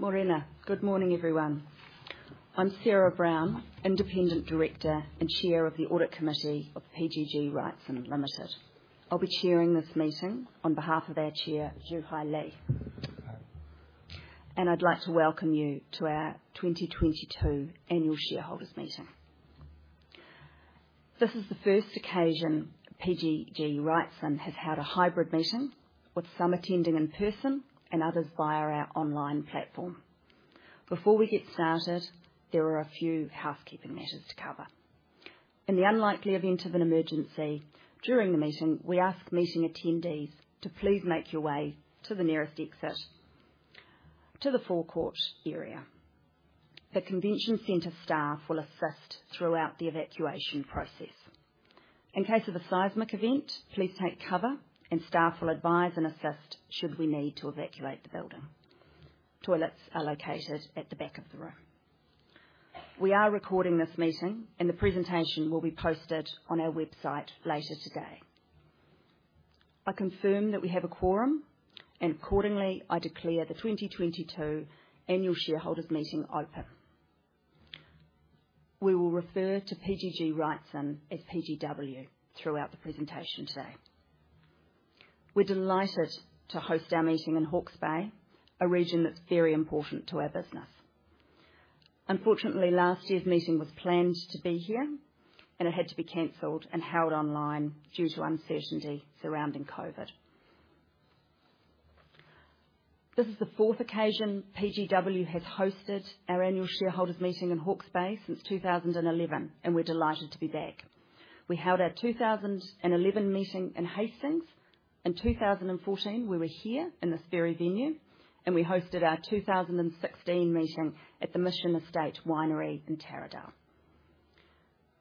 Morena. Good morning, everyone. I'm Sarah Brown, Independent Director and Chair of the Audit Committee of PGG Wrightson Limited. I'll be chairing this meeting on behalf of our Chair, Joo Hai Lee. I'd like to welcome you to our 2022 annual shareholders' meeting. This is the first occasion PGG Wrightson has had a hybrid meeting, with some attending in person and others via our online platform. Before we get started, there are a few housekeeping matters to cover. In the unlikely event of an emergency during the meeting, we ask meeting attendees to please make your way to the nearest exit to the forecourt area. The convention center staff will assist throughout the evacuation process. In case of a seismic event, please take cover, and staff will advise and assist should we need to evacuate the building. Toilets are located at the back of the room. We are recording this meeting, and the presentation will be posted on our website later today. I confirm that we have a quorum, and accordingly, I declare the 2022 annual shareholders' meeting open. We will refer to PGG Wrightson as PGW throughout the presentation today. We're delighted to host our meeting in Hawke's Bay, a region that's very important to our business. Unfortunately, last year's meeting was planned to be here, and it had to be canceled and held online due to uncertainty surrounding COVID. This is the fourth occasion PGW has hosted our annual shareholders' meeting in Hawke's Bay since 2011, and we're delighted to be back. We held our 2011 meeting in Hastings. In 2014, we were here in this very venue, and we hosted our 2016 meeting at the Mission Estate Winery in Taradale.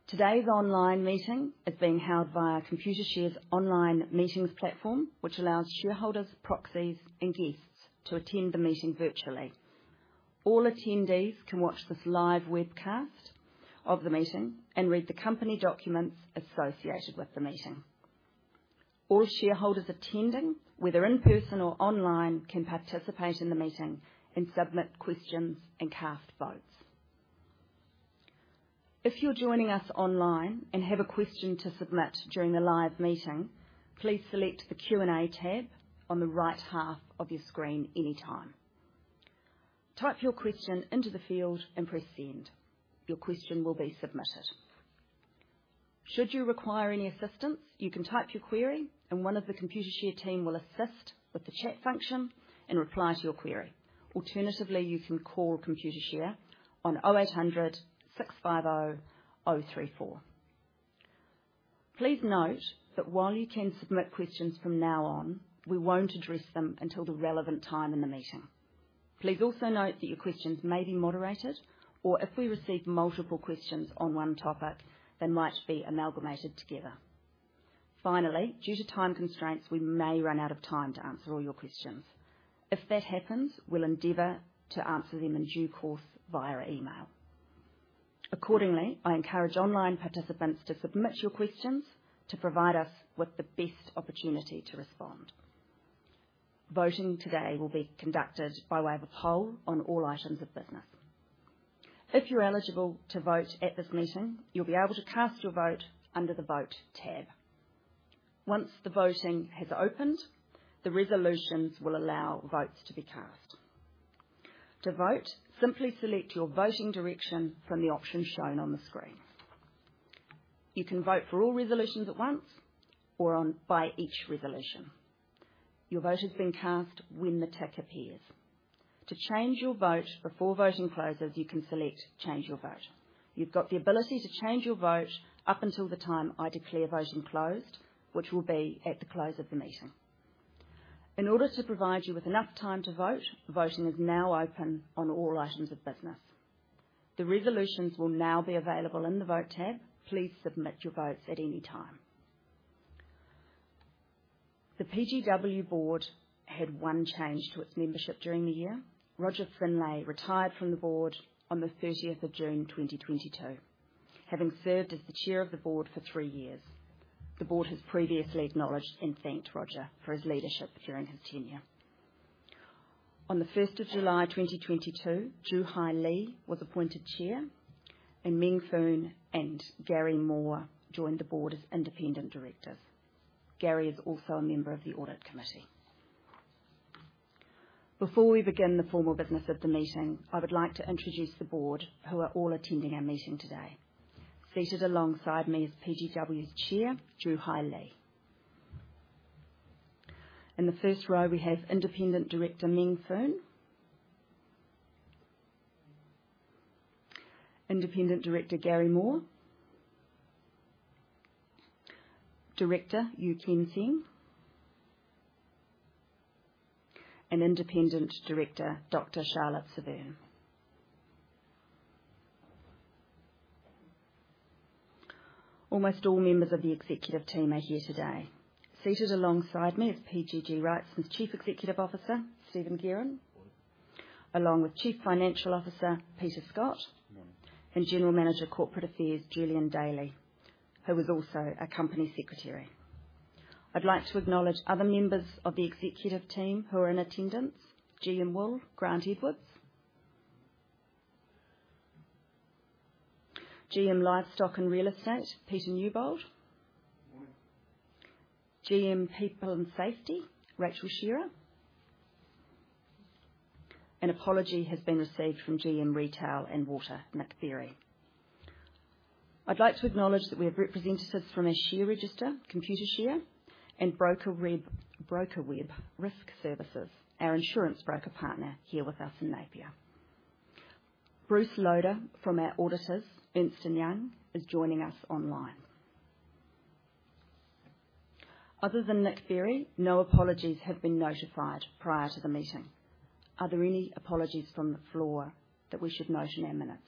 Today's online meeting is being held via Computershare's online meetings platform, which allows shareholders, proxies, and guests to attend the meeting virtually. All attendees can watch this live webcast of the meeting and read the company documents associated with the meeting. All shareholders attending, whether in person or online, can participate in the meeting and submit questions and cast votes. If you're joining us online and have a question to submit during the live meeting, please select the Q&A tab on the right half of your screen anytime. Type your question into the field and press Send. Your question will be submitted. Should you require any assistance, you can type your query, and one of the Computershare team will assist with the chat function and reply to your query. Alternatively, you can call Computershare on 0800 650 034. Please note that while you can submit questions from now on, we won't address them until the relevant time in the meeting. Please also note that your questions may be moderated, or if we receive multiple questions on one topic, they might be amalgamated together. Finally, due to time constraints, we may run out of time to answer all your questions. If that happens, we'll endeavor to answer them in due course via email. Accordingly, I encourage online participants to submit your questions to provide us with the best opportunity to respond. Voting today will be conducted by way of a poll on all items of business. If you're eligible to vote at this meeting, you'll be able to cast your vote under the Vote tab. Once the voting has opened, the resolutions will allow votes to be cast. To vote, simply select your voting direction from the options shown on the screen. You can vote for all resolutions at once or one by each resolution. Your vote has been cast when the tick appears. To change your vote before voting closes, you can select Change Your Vote. You've got the ability to change your vote up until the time I declare voting closed, which will be at the close of the meeting. In order to provide you with enough time to vote, voting is now open on all items of business. The resolutions will now be available in the Vote tab. Please submit your votes at any time. The PGW board had one change to its membership during the year. Rodger Finlay retired from the board on the 30th of June, 2022, having served as the Chair of the board for three years. The board has previously acknowledged and thanked Rodger for his leadership during his tenure. On the first of July, 2022, Joo Hai Lee was appointed chair, and Meng Foon and Garry Moore joined the board as independent directors. Garry is also a member of the audit committee. Before we begin the formal business of the meeting, I would like to introduce the board, who are all attending our meeting today. Seated alongside me is PGW's Chair, Joo Hai Lee. In the first row, we have Independent Director Meng Foon. Independent Director Garry Moore. Director U Kean Seng. And Independent Director Dr Charlotte Severne. Almost all members of the executive team are here today. Seated alongside me is PGG Wrightson's Chief Executive Officer, Stephen Guerin. Morning. Along with Chief Financial Officer Peter Scott. Morning. General Manager Corporate Affairs, Julian Daly, who is also our company secretary. I'd like to acknowledge other members of the executive team who are in attendance. GM Wool, Grant Edwards. GM Livestock & Real Estate, Peter Newbold. Morning. GM People and Safety, Rachel Shearer. An apology has been received from GM Retail and Water, Nick Berry. I'd like to acknowledge that we have representatives from our share register, Computershare, and BrokerWeb Risk Services, our insurance broker partner here with us in Napier. Bruce Loader from our auditors, Ernst & Young, is joining us online. Other than Nick Berry, no apologies have been notified prior to the meeting. Are there any apologies from the floor that we should note in our minutes?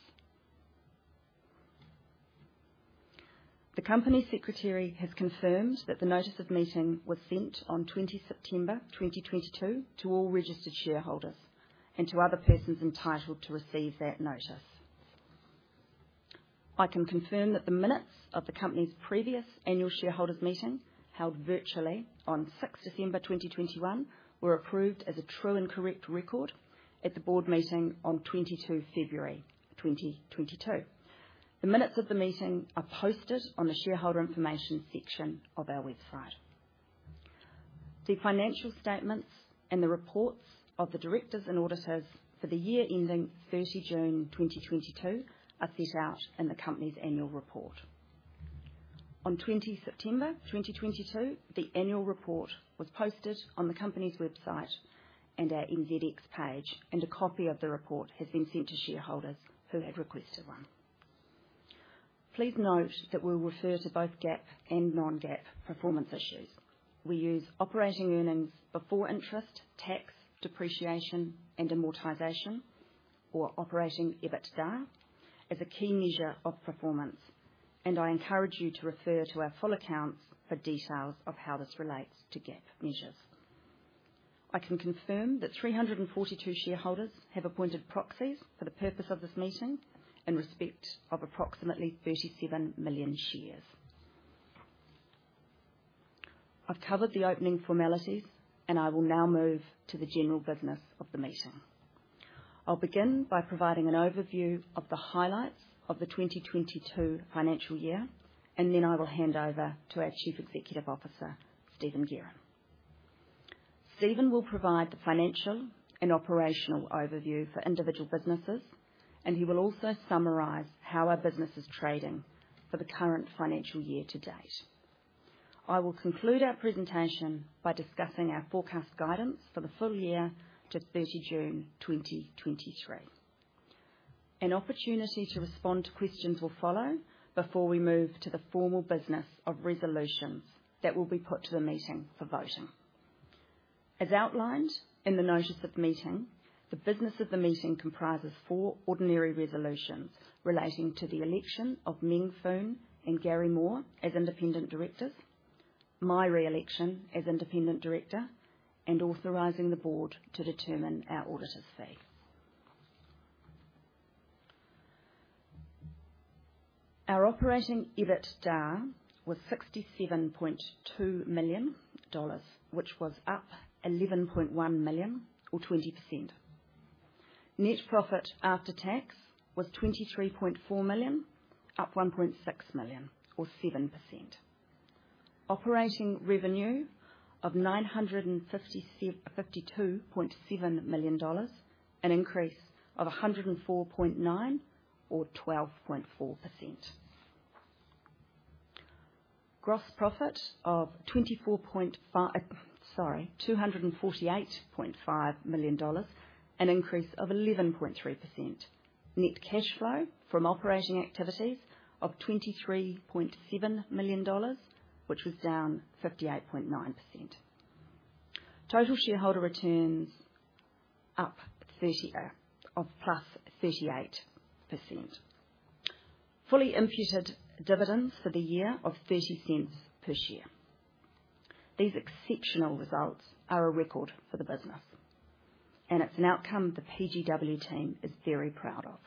The company secretary has confirmed that the notice of meeting was sent on 20 September 2022 to all registered shareholders and to other persons entitled to receive that notice. I can confirm that the minutes of the company's previous annual shareholders meeting, held virtually on 6th December 2021, were approved as a true and correct record at the board meeting on 22 February 2022. The minutes of the meeting are posted on the shareholder information section of our website. The financial statements and the reports of the directors and auditors for the year ending 30 June 2022 are set out in the company's annual report. On 20 September 2022, the annual report was posted on the company's website and our NZX page, and a copy of the report has been sent to shareholders who had requested one. Please note that we'll refer to both GAAP and non-GAAP performance issues. We use operating earnings before interest, tax, depreciation, and amortization, or operating EBITDA, as a key measure of performance, and I encourage you to refer to our full accounts for details of how this relates to GAAP measures. I can confirm that 342 shareholders have appointed proxies for the purpose of this meeting in respect of approximately 37 million shares. I've covered the opening formalities, and I will now move to the general business of the meeting. I'll begin by providing an overview of the highlights of the 2022 financial year, and then I will hand over to our Chief Executive Officer, Stephen Guerin. Stephen will provide the financial and operational overview for individual businesses, and he will also summarize how our business is trading for the current financial year to date. I will conclude our presentation by discussing our forecast guidance for the full year to 30 June 2023. An opportunity to respond to questions will follow before we move to the formal business of resolutions that will be put to the meeting for voting. As outlined in the notice of meeting, the business of the meeting comprises four ordinary resolutions relating to the election of Meng Foon and Garry Moore as independent directors, my re-election as independent director, and authorizing the board to determine our auditor's fee. Our operating EBITDA was NZD 67.2 million, which was up NZD 11.1 million or 20%. Net profit after tax was NZD 23.4 million, up NZD 1.6 million or 7%. Operating revenue of NZD 952.7 million, an increase of 104.9 or 12.4%. Gross profit of 248.5 million dollars, an increase of 11.3%. Net cash flow from operating activities of 23.7 million dollars, which was down 58.9%. Total shareholder returns up +38%. Fully imputed dividends for the year of 0.30 per share. These exceptional results are a record for the business, and it's an outcome the PGW team is very proud of,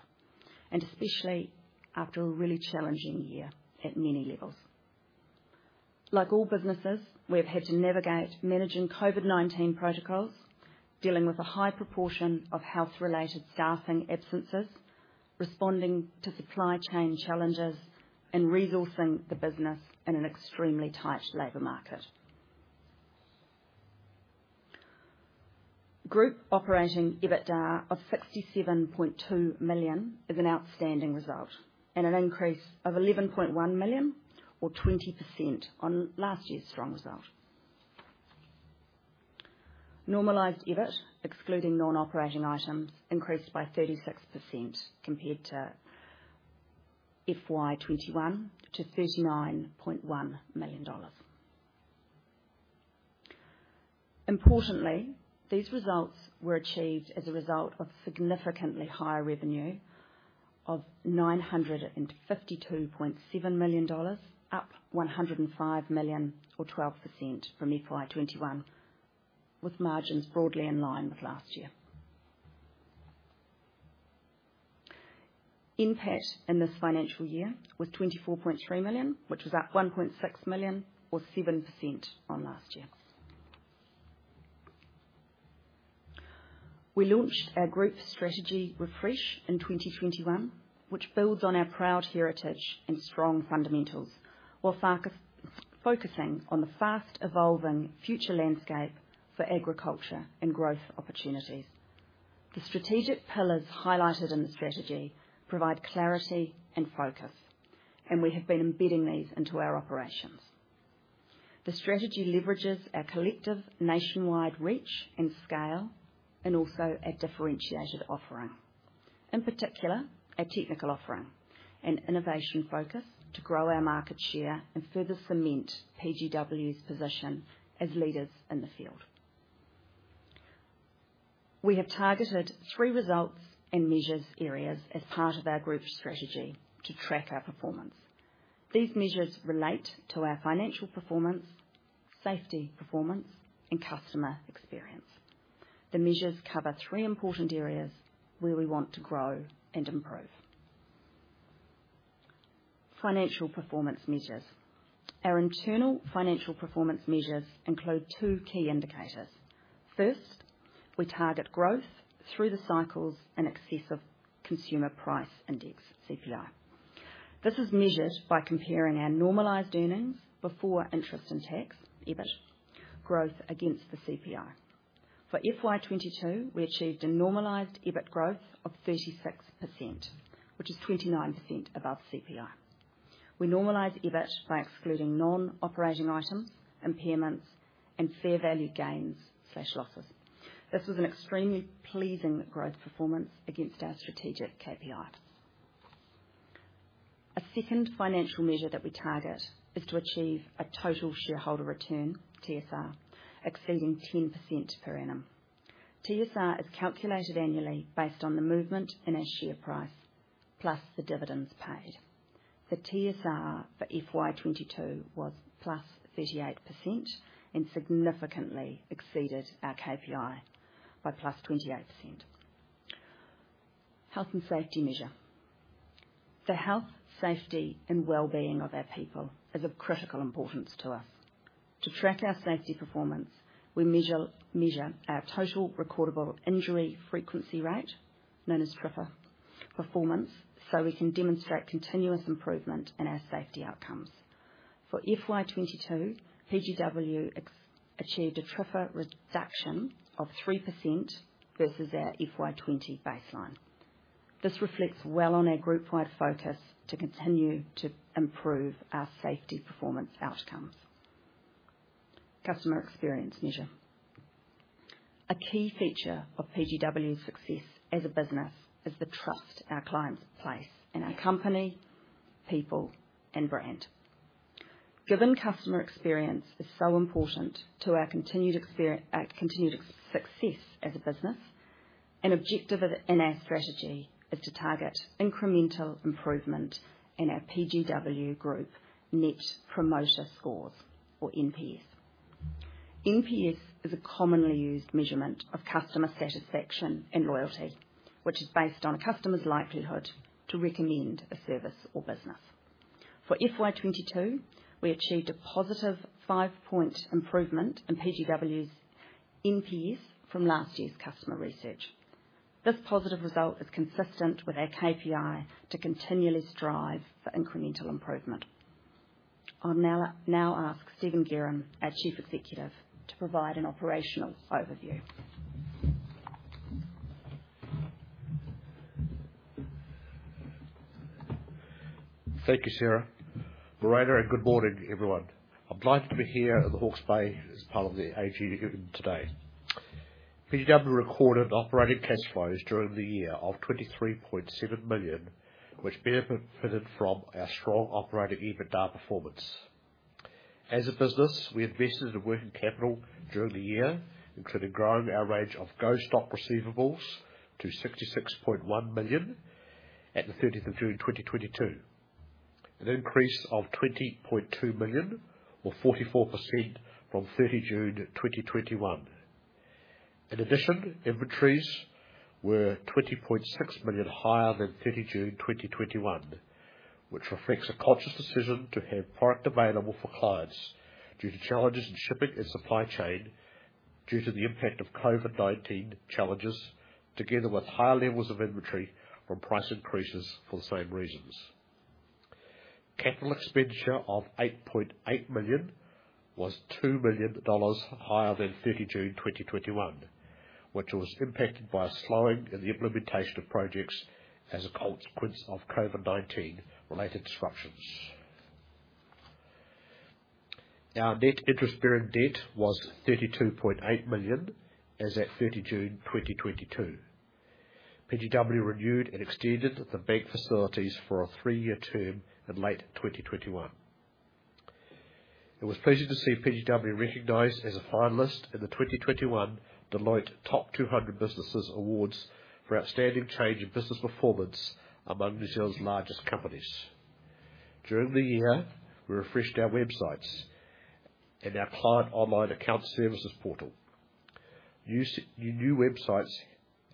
and especially after a really challenging year at many levels. Like all businesses, we have had to navigate managing COVID-19 protocols, dealing with a high proportion of health-related staffing absences, responding to supply chain challenges, and resourcing the business in an extremely tight labor market. Group operating EBITDA of 67.2 million is an outstanding result and an increase of 11.1 million or 20% on last year's strong result. Normalized EBIT, excluding non-operating items, increased by 36% compared to FY 2021 to NZD 39.1 million. Importantly, these results were achieved as a result of significantly higher revenue of 952.7 million dollars, up 105 million or 12% from FY 2021, with margins broadly in line with last year. NPAT in this financial year was 24.3 million, which was up 1.6 million or 7% on last year. We launched our group strategy refresh in 2021, which builds on our proud heritage and strong fundamentals, while focusing on the fast evolving future landscape for agriculture and growth opportunities. The strategic pillars highlighted in the strategy provide clarity and focus, and we have been embedding these into our operations. The strategy leverages our collective nationwide reach and scale, and also our differentiated offering. In particular, our technical offering and innovation focus to grow our market share and further cement PGW's position as leaders in the field. We have targeted three results and measures areas as part of our group's strategy to track our performance. These measures relate to our financial performance, safety performance, and customer experience. The measures cover three important areas where we want to grow and improve. Financial performance measures. Our internal financial performance measures include two key indicators. First, we target growth through the cycles in excess of Consumer Price Index, CPI. This is measured by comparing our normalized earnings before interest and tax, EBIT, growth against the CPI. For FY 2022, we achieved a normalized EBIT growth of 36%, which is 29% above CPI. We normalize EBIT by excluding non-operating items, impairments, and fair value gains/losses. This was an extremely pleasing growth performance against our strategic KPI. A second financial measure that we target is to achieve a Total Shareholder Return, TSR, exceeding 10% per annum. TSR is calculated annually based on the movement in our share price plus the dividends paid. The TSR for FY 2022 was +38% and significantly exceeded our KPI by +28%. Health and safety measure. The health, safety, and well-being of our people is of critical importance to us. To track our safety performance, we measure our Total Recordable Injury Frequency Rate, known as TRIFR, performance, so we can demonstrate continuous improvement in our safety outcomes. For FY 2022, PGW achieved a TRIFR reduction of 3% versus our FY 2020 baseline. This reflects well on our group-wide focus to continue to improve our safety performance outcomes. Customer experience measure. A key feature of PGW's success as a business is the trust our clients place in our company, people, and brand. Given customer experience is so important to our continued success as a business, an objective in our strategy is to target incremental improvement in our PGW group Net Promoter Scores or NPS. NPS is a commonly used measurement of customer satisfaction and loyalty, which is based on a customer's likelihood to recommend a service or business. For FY 2022, we achieved a positive 5-point improvement in PGW's NPS from last year's customer research. This positive result is consistent with our KPI to continually strive for incremental improvement. I'll now ask Stephen Guerin, our Chief Executive, to provide an operational overview. Thank you, Sarah. Morning, and good morning, everyone. I'm delighted to be here at the Hawke's Bay as part of the AG meeting today. PGW recorded operating cash flows during the year of 23.7 million, which benefited from our strong operating EBITDA performance. As a business, we invested in working capital during the year, including growing our range of GO-STOCK receivables to 66.1 million at the 30th of June 2022. An increase of 20.2 million or 44% from 30 June 2021. In addition, inventories were 20.6 million higher than 30 June 2021, which reflects a conscious decision to have product available for clients due to challenges in shipping and supply chain, due to the impact of COVID-19 challenges, together with higher levels of inventory from price increases for the same reasons. Capital expenditure of 8.8 million was 2 million dollars higher than 30 June 2021, which was impacted by a slowing in the implementation of projects as a consequence of COVID-19 related disruptions. Our net interest-bearing debt was 32.8 million as at 30 June 2022. PGW renewed and extended the bank facilities for a three-year term in late 2021. It was pleasing to see PGW recognized as a finalist in the 2021 Deloitte Top 200 for outstanding change in business performance among New Zealand's largest companies. During the year, we refreshed our websites and our client online account services portal. New websites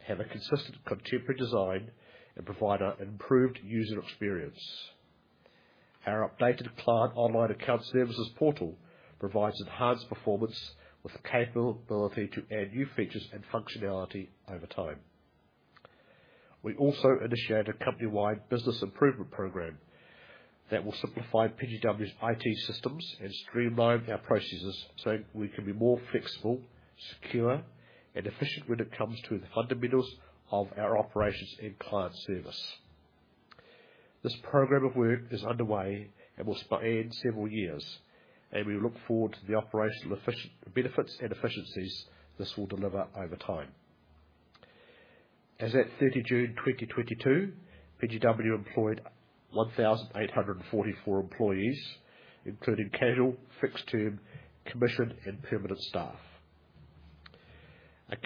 have a consistent contemporary design and provide an improved user experience. Our updated client online account services portal provides enhanced performance with the capability to add new features and functionality over time. We also initiate a company-wide business improvement program that will simplify PGW's IT systems and streamline our processes, so we can be more flexible, secure, and efficient when it comes to the fundamentals of our operations and client service. This program of work is underway and will span several years, and we look forward to the operational benefits and efficiencies this will deliver over time. As at 30 June 2022, PGW employed 1,844 employees, including casual, fixed term, commissioned, and permanent staff. A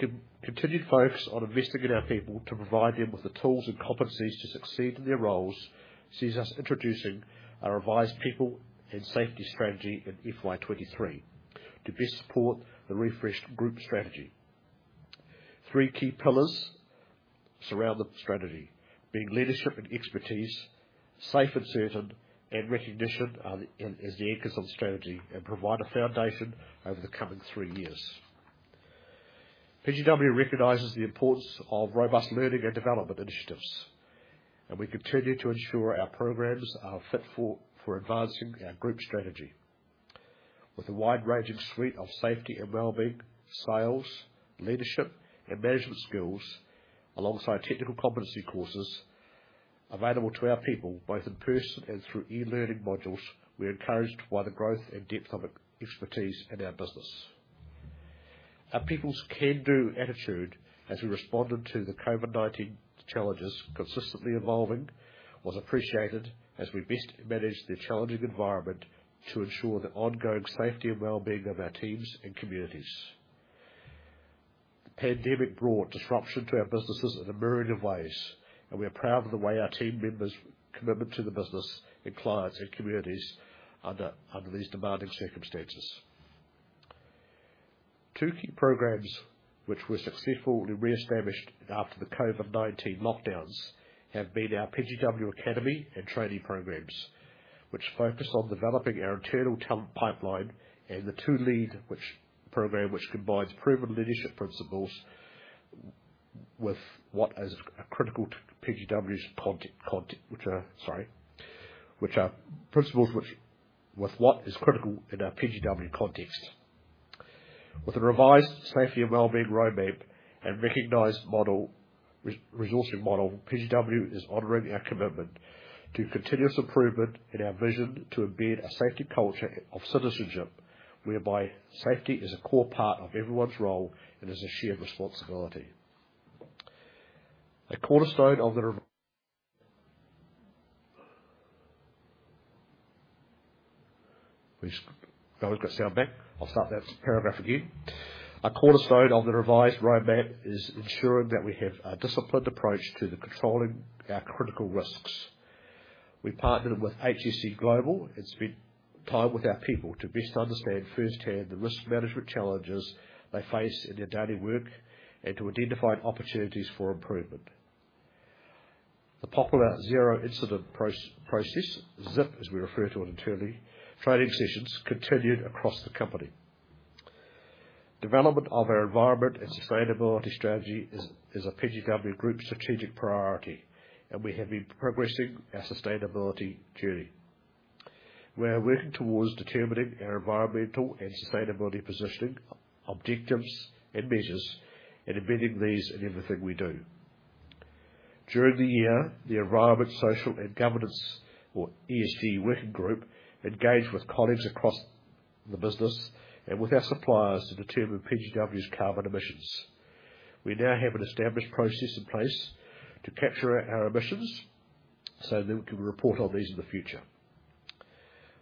continued focus on investing in our people to provide them with the tools and competencies to succeed in their roles sees us introducing our revised people and safety strategy in FY 2023 to best support the refreshed group strategy. Three key pillars surround the strategy. Bringing leadership and expertise, safety and certainty, and recognition are the anchors on strategy and provide a foundation over the coming three years. PGW recognizes the importance of robust learning and development initiatives, and we continue to ensure our programs are fit for advancing our group strategy. With a wide-ranging suite of safety and wellbeing, sales, leadership and management skills, alongside technical competency courses available to our people, both in person and through e-learning modules, we're encouraged by the growth and depth of expertise in our business. Our people's can-do attitude as we responded to the COVID-19 challenges consistently evolving was appreciated as we best managed the challenging environment to ensure the ongoing safety and wellbeing of our teams and communities. The pandemic brought disruption to our businesses in a myriad of ways, and we are proud of the way our team members' commitment to the business and clients and communities under these demanding circumstances. Two key programs which were successfully reestablished after the COVID-19 lockdowns have been our PGW Academy and trainee programs, which focus on developing our internal talent pipeline and the leadership program, which combines proven leadership principles with what is critical in our PGW context. With a revised safety and wellbeing roadmap and recognized resourcing model, PGW is honoring our commitment to continuous improvement in our vision to embed a safety culture of citizenship, whereby safety is a core part of everyone's role and is a shared responsibility. I'll start that paragraph again. A cornerstone of the revised roadmap is ensuring that we have a disciplined approach to controlling our critical risks. We partnered with HCC Global and spent time with our people to best understand firsthand the risk management challenges they face in their daily work and to identify opportunities for improvement. The popular Zero Incident Process, ZIP, as we refer to it internally, training sessions continued across the company. Development of our environment and sustainability strategy is a PGW Group strategic priority, and we have been progressing our sustainability journey. We are working towards determining our environmental and sustainability positioning, objectives, and measures, and embedding these in everything we do. During the year, the environmental, social, and governance or ESG working group engaged with colleagues across the business and with our suppliers to determine PGW's carbon emissions. We now have an established process in place to capture our emissions, so then we can report on these in the future.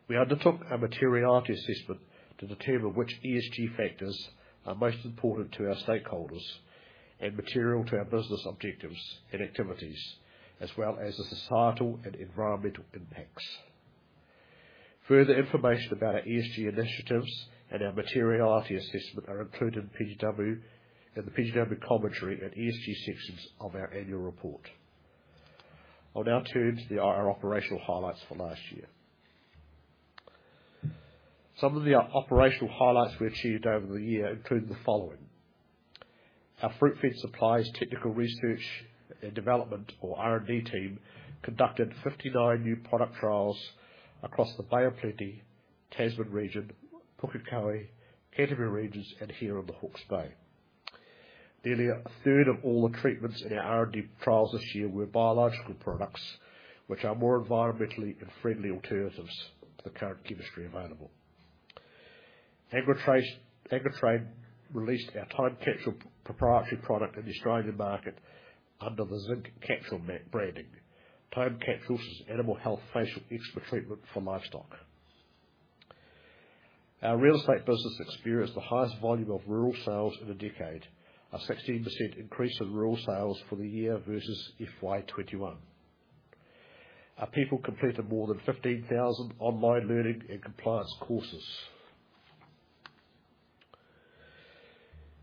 We undertook a materiality assessment to determine which ESG factors are most important to our stakeholders and material to our business objectives and activities, as well as the societal and environmental impacts. Further information about our ESG initiatives and our materiality assessment are included in PGW, in the PGW commentary and ESG sections of our annual report. I'll now turn to our operational highlights for last year. Some of the operational highlights we achieved over the year include the following: Our Fruitfed Supplies technical research and development or R&D team conducted 59 new product trials across the Bay of Plenty, Tasman region, Pukekohe, Canterbury regions, and here in the Hawke's Bay. Nearly a third of all the treatments in our R&D trials this year were biological products, which are more environmentally friendly alternatives to the current chemistry available. Agritrade released our Time Capsule proprietary product in the Australian market under the Zinc Capsule branding. Time Capsule's animal health facial eczema treatment for livestock. Our real estate business experienced the highest volume of rural sales in a decade. A 16% increase in rural sales for the year versus FY 2021. Our people completed more than 15,000 online learning and compliance courses.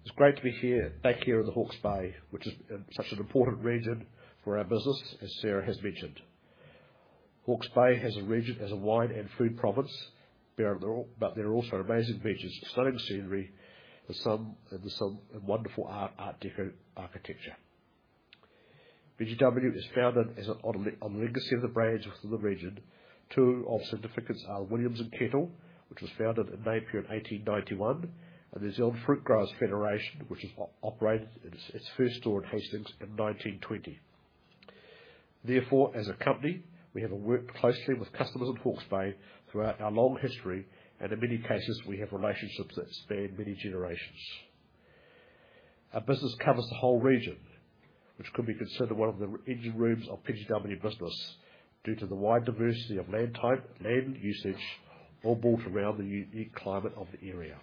It's great to be here, back here in the Hawke's Bay, which is such an important region for our business, as Sarah has mentioned. Hawke's Bay is a region as a wine and food province, but there are also amazing beaches, stunning scenery, and some wonderful art deco architecture. PGW is founded on a legacy of the brands within the region. Two of significance are Williams & Kettle, which was founded in Napier in 1891, and the New Zealand Fruitgrowers Federation, which operated its first store in Hastings in 1920. Therefore, as a company, we have worked closely with customers in Hawke's Bay throughout our long history, and in many cases, we have relationships that span many generations. Our business covers the whole region, which could be considered one of the engine rooms of PGW business due to the wide diversity of land type, land usage, all built around the unique climate of the area.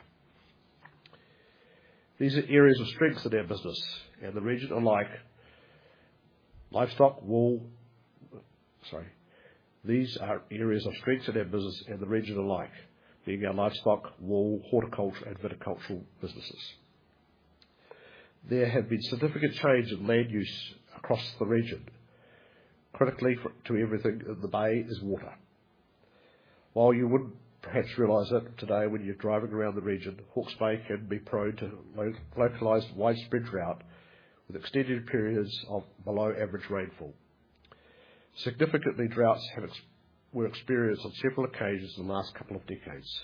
These are areas of strength in our business and the region alike, being our livestock, wool, horticulture, and viticultural businesses. There have been significant changes in land use across the region. Critically, everything in the bay is water. While you wouldn't perhaps realize it today when you're driving around the region, Hawke's Bay can be prone to localized, widespread drought, with extended periods of below-average rainfall. Significantly, droughts were experienced on several occasions in the last couple of decades.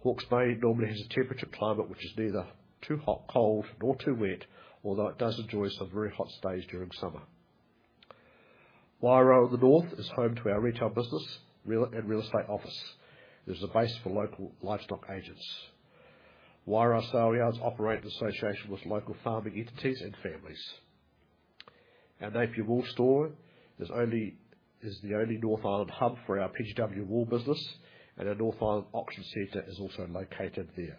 Hawke's Bay normally has a temperate climate which is neither too hot, cold, nor too wet, although it does enjoy some very hot days during summer. Wairoa in the north is home to our retail business and real estate office. There's a base for local livestock agents. Wairoa Sale Yards operate in association with local farming entities and families. Our Napier Woolstore is the only North Island hub for our PGW wool business and our North Island Auction Center is also located there.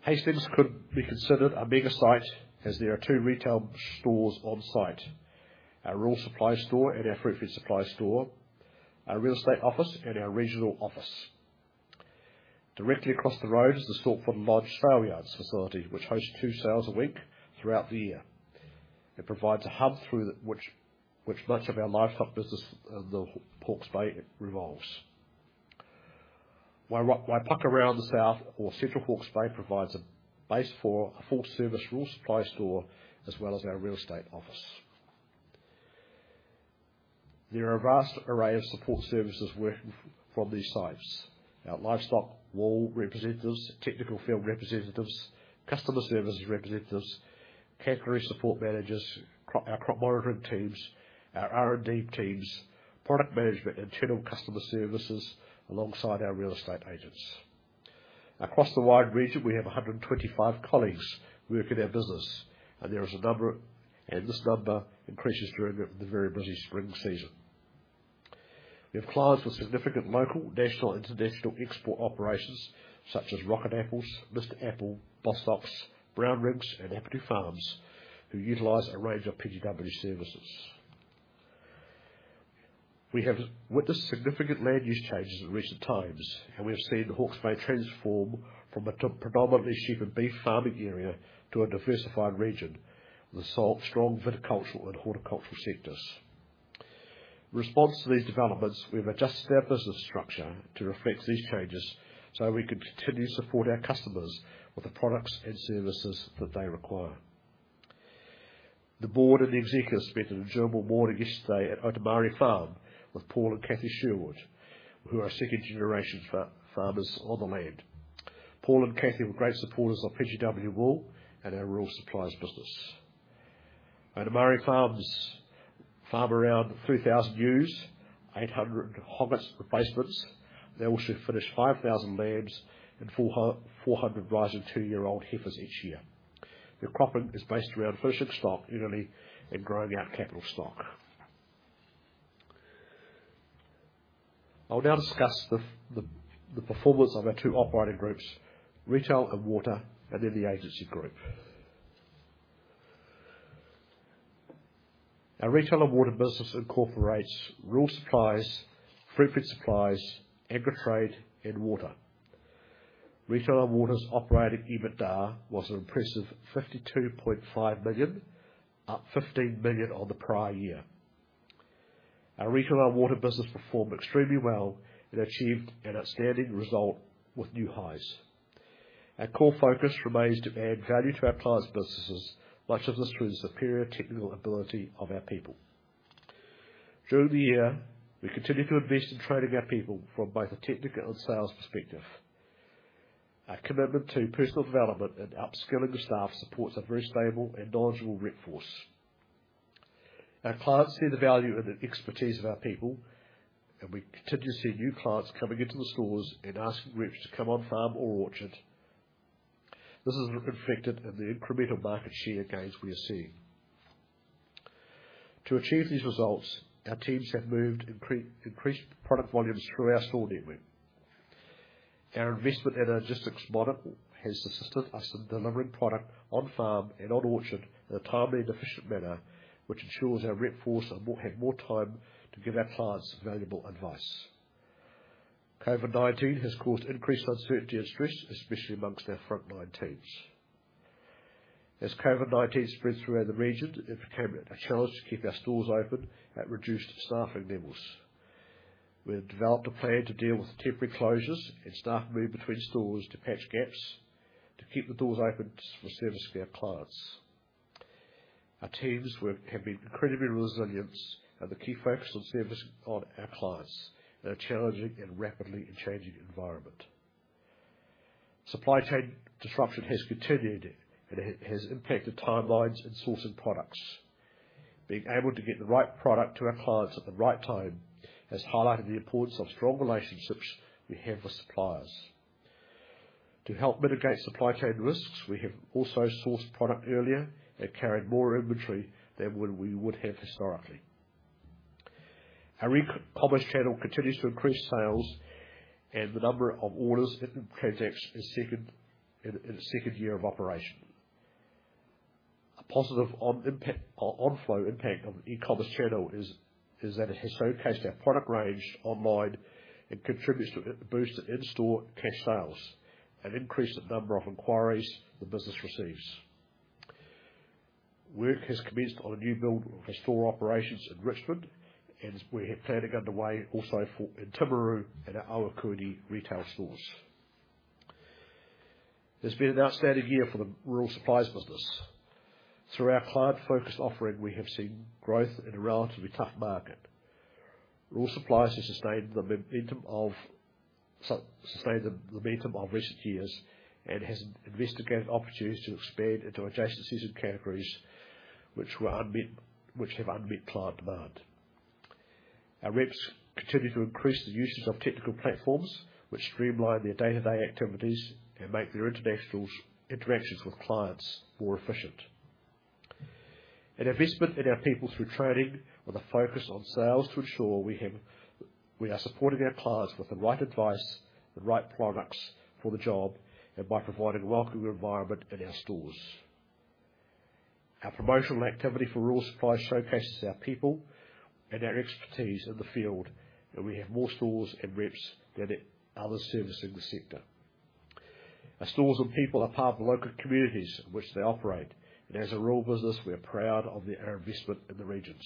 Hastings could be considered a mega site as there are two retail stores on site, our rural supply store and our Fruitfed supply store, our real estate office, and our regional office. Directly across the road is the Stortford Lodge Saleyards facility, which hosts two sales a week throughout the year. It provides a hub through which much of our livestock business in the Hawke's Bay revolves. Waipawa around the south or central Hawke's Bay provides a base for a full-service rural supply store as well as our real estate office. There are a vast array of support services working from these sites. Our livestock, wool representatives, technical field representatives, customer services representatives, category support managers, our crop monitoring teams, our R&D teams, product management, internal customer services, alongside our real estate agents. Across the wide region, we have 125 colleagues work in our business, and this number increases during the very busy spring season. We have clients with significant local, national, and international export operations such as Rockit Apples, Mr Apple, Bostock, Brownrigg Agriculture, and Te Apiti Farms, who utilize a range of PGW services. We have witnessed significant land use changes in recent times, and we have seen Hawke's Bay transform from predominantly sheep and beef farming area to a diversified region with strong viticultural and horticultural sectors. In response to these developments, we've adjusted our business structure to reflect these changes so we can continue to support our customers with the products and services that they require. The board and the executives spent an enjoyable morning yesterday at Otamauri Farm with Paul and Cathy Sherwood, who are second-generation farmers on the land. Paul and Cathy were great supporters of PGW Wool and our rural supplies business. Otamauri Farm farm around 3,000 ewes, 800 hogget replacements. They also finish 5,000 lambs and 400 rising two-year-old heifers each year. Their cropping is based around finishing stock annually and growing our capital stock. I'll now discuss the performance of our two operating groups, Retail and Water, and then the Agency group. Our Retail and Water business incorporates rural supplies, Fruitfed Supplies, Agritrade, and water. Retail and Water's operating EBITDA was an impressive 52.5 million, up 15 million on the prior year. Our Retail and Water business performed extremely well and achieved an outstanding result with new highs. Our core focus remains to add value to our clients' businesses, much of this through the superior technical ability of our people. During the year, we continued to invest in training our people from both a technical and sales perspective. Our commitment to personal development and upskilling the staff supports a very stable and knowledgeable workforce. Our clients see the value and the expertise of our people, and we continue to see new clients coming into the stores and asking groups to come on farm or orchard. This is reflected in the incremental market share gains we are seeing. To achieve these results, our teams have moved increased product volumes through our store network. Our investment in a logistics model has assisted us in delivering product on farm and on orchard in a timely and efficient manner, which ensures our rep force have more time to give our clients valuable advice. COVID-19 has caused increased uncertainty and stress, especially among our frontline teams. As COVID-19 spread throughout the region, it became a challenge to keep our stores open at reduced staffing levels. We've developed a plan to deal with temporary closures and staff move between stores to patch gaps to keep the doors open for service for our clients. Our teams have been incredibly resilient, and the key focus on servicing our clients in a challenging and rapidly changing environment. Supply chain disruption has continued and has impacted timelines and sourcing products. Being able to get the right product to our clients at the right time has highlighted the importance of strong relationships we have with suppliers. To help mitigate supply chain risks, we have also sourced product earlier and carried more inventory than when we would have historically. Our e-commerce channel continues to increase sales and the number of orders and transactions in the second year of operation. A positive cash-flow impact of e-commerce channel is that it has showcased our product range online and contributes to a boost in-store cash sales and increased the number of inquiries the business receives. Work has commenced on a new build for store operations in Richmond, and we have planning underway also for Timaru and our Ohakune retail stores. It's been an outstanding year for the Rural Supplies business. Through our client-focused offering, we have seen growth in a relatively tough market. Rural Supplies has sustained the momentum of recent years and has investigated opportunities to expand into adjacent season categories which were unmet, which have unmet client demand. Our reps continue to increase the usage of technical platforms which streamline their day-to-day activities and make their interactions with clients more efficient. An investment in our people through training with a focus on sales to ensure we are supporting our clients with the right advice, the right products for the job, and by providing a welcoming environment in our stores. Our promotional activity for Rural Supplies showcases our people and our expertise in the field, and we have more stores and reps than any others servicing the sector. Our stores and people are part of the local communities in which they operate, and as a rural business, we are proud of their investment in the regions.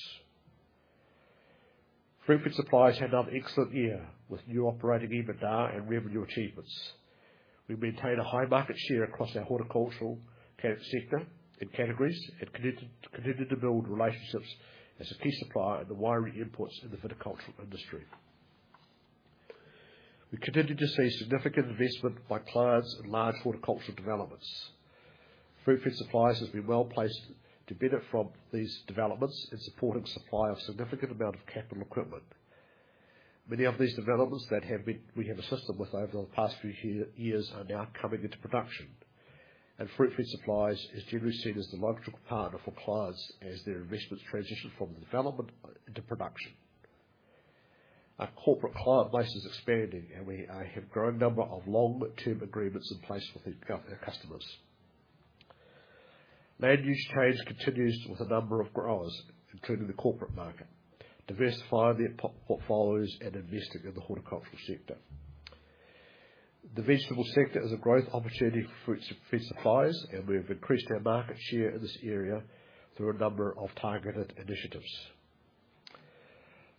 Fruitfed Supplies had another excellent year with new operating EBITDA and revenue achievements. We've maintained a high market share across our horticultural sector and categories and continued to build relationships as a key supplier in the wire and imports in the viticultural industry. We continue to see significant investment by clients in large horticultural developments. Fruitfed Supplies has been well placed to benefit from these developments in supporting supply of significant amount of capital equipment. Many of these developments that we have assisted with over the past few years are now coming into production. Fruitfed Supplies is generally seen as the logical partner for clients as their investments transition from development into production. Our corporate client base is expanding, and we have grown a number of long-term agreements in place with our customers. Land use change continues with a number of growers, including the corporate market, diversifying their portfolios and investing in the horticultural sector. The vegetable sector is a growth opportunity for Fruitfed Supplies, and we've increased our market share in this area through a number of targeted initiatives.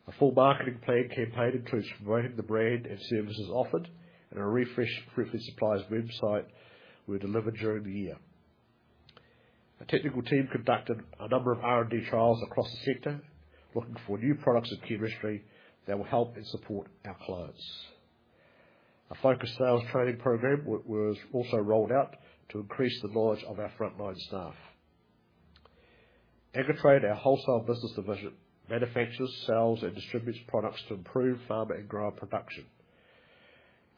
A full marketing plan campaign includes promoting the brand and services offered and a refreshed Fruitfed Supplies website we delivered during the year. A technical team conducted a number of R&D trials across the sector, looking for new products and chemistry that will help and support our clients. A focused sales training program was also rolled out to increase the knowledge of our frontline staff. Agritrade, our wholesale business division, manufactures, sells, and distributes products to improve farmer and grower production.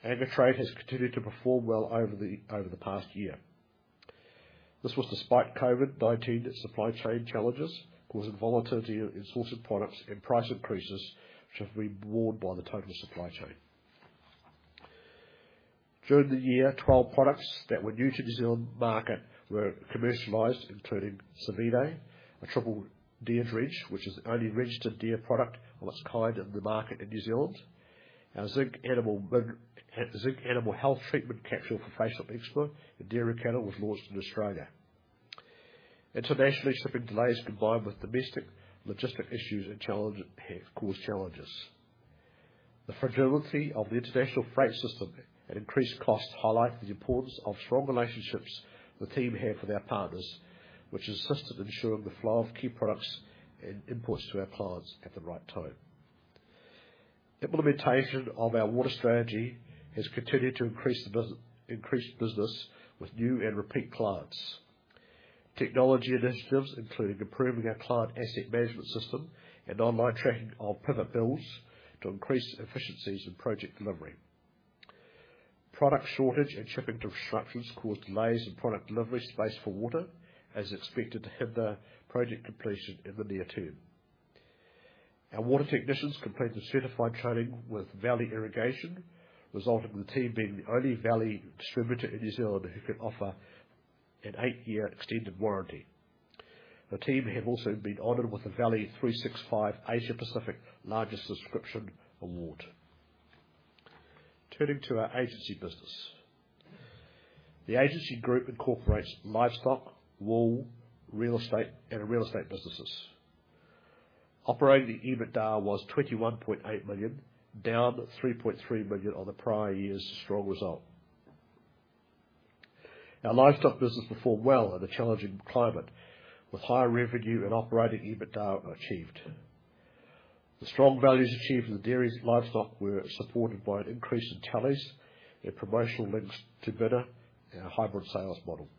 Agritrade has continued to perform well over the past year. This was despite COVID-19's supply chain challenges, causing volatility in sourcing products and price increases which have been borne by the total supply chain. During the year, 12 products that were new to New Zealand market were commercialized, including Cervidae Oral, a triple deer drench, which is the only registered deer product of its kind in the market in New Zealand. Our Zinc Capsule for facial eczema in dairy cattle was launched in Australia. Internationally, shipping delays combined with domestic logistic issues and challenge have caused challenges. The fragility of the international freight system and increased costs highlight the importance of strong relationships the team have with our partners, which assisted ensuring the flow of key products and imports to our clients at the right time. Implementation of our water strategy has continued to increase business with new and repeat clients. Technology initiatives, including improving our client asset management system and online tracking of pivot builds to increase efficiencies in project delivery. Product shortage and shipping disruptions caused delays in product delivery to PGG Wrightson Water, as expected to hinder project completion in the near term. Our water technicians completed certified training with Valley Irrigation, resulting in the team being the only Valley distributor in New Zealand who can offer an eight-year extended warranty. The team have also been honored with a Valley 365 Asia-Pacific Largest Subscription award. Turning to our agency business. The agency group incorporates livestock, wool, real estate, and real estate businesses. Operating EBITDA was 21.8 million, down 3.3 million on the prior year's strong result. Our livestock business performed well in a challenging climate, with higher revenue and operating EBITDA achieved. The strong values achieved in the dairy livestock were supported by an increase in tallies and promotional links to bidr, our hybrid sales model.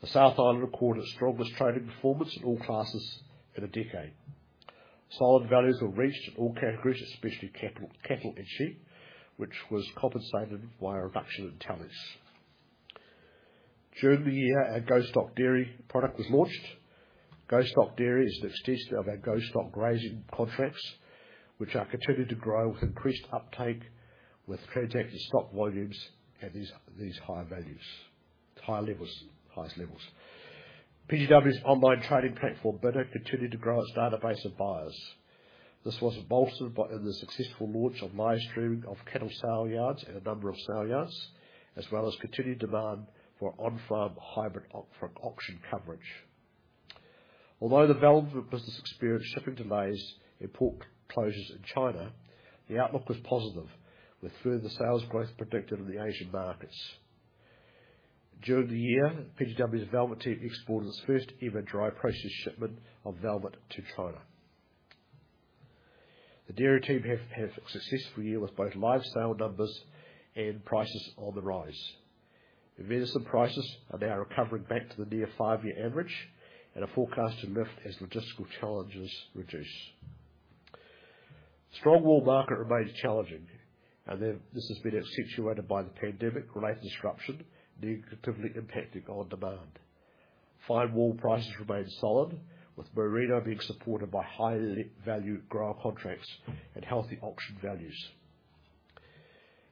The South Island recorded its strongest trading performance in all classes in a decade. Solid values were reached in all categories, especially cattle and sheep, which was compensated by a reduction in tallies. During the year, our GO-STOCK Dairy product was launched. GO-STOCK Dairy is an extension of our GO-STOCK grazing contracts, which are continuing to grow with increased uptake projected stock volumes at these high values, high levels, highest levels. PGW's online trading platform, bidr, continued to grow its database of buyers. This was bolstered by the successful launch of live streaming of cattle sale yards in a number of sale yards, as well as continued demand for on-farm hybrid ops for auction coverage. Although the velvet business experienced shipping delays and port closures in China, the outlook was positive, with further sales growth predicted in the Asian markets. During the year, PGW's velvet team exported its first ever dry processed shipment of velvet to China. The dairy team have successful year with both live sale numbers and prices on the rise. Merino prices are now recovering back to the near five-year average and are forecast to lift as logistical challenges reduce. Strong wool market remains challenging, and then this has been accentuated by the pandemic-related disruption negatively impacting on demand. Fine wool prices remain solid, with Merino being supported by high value grow contracts and healthy auction values.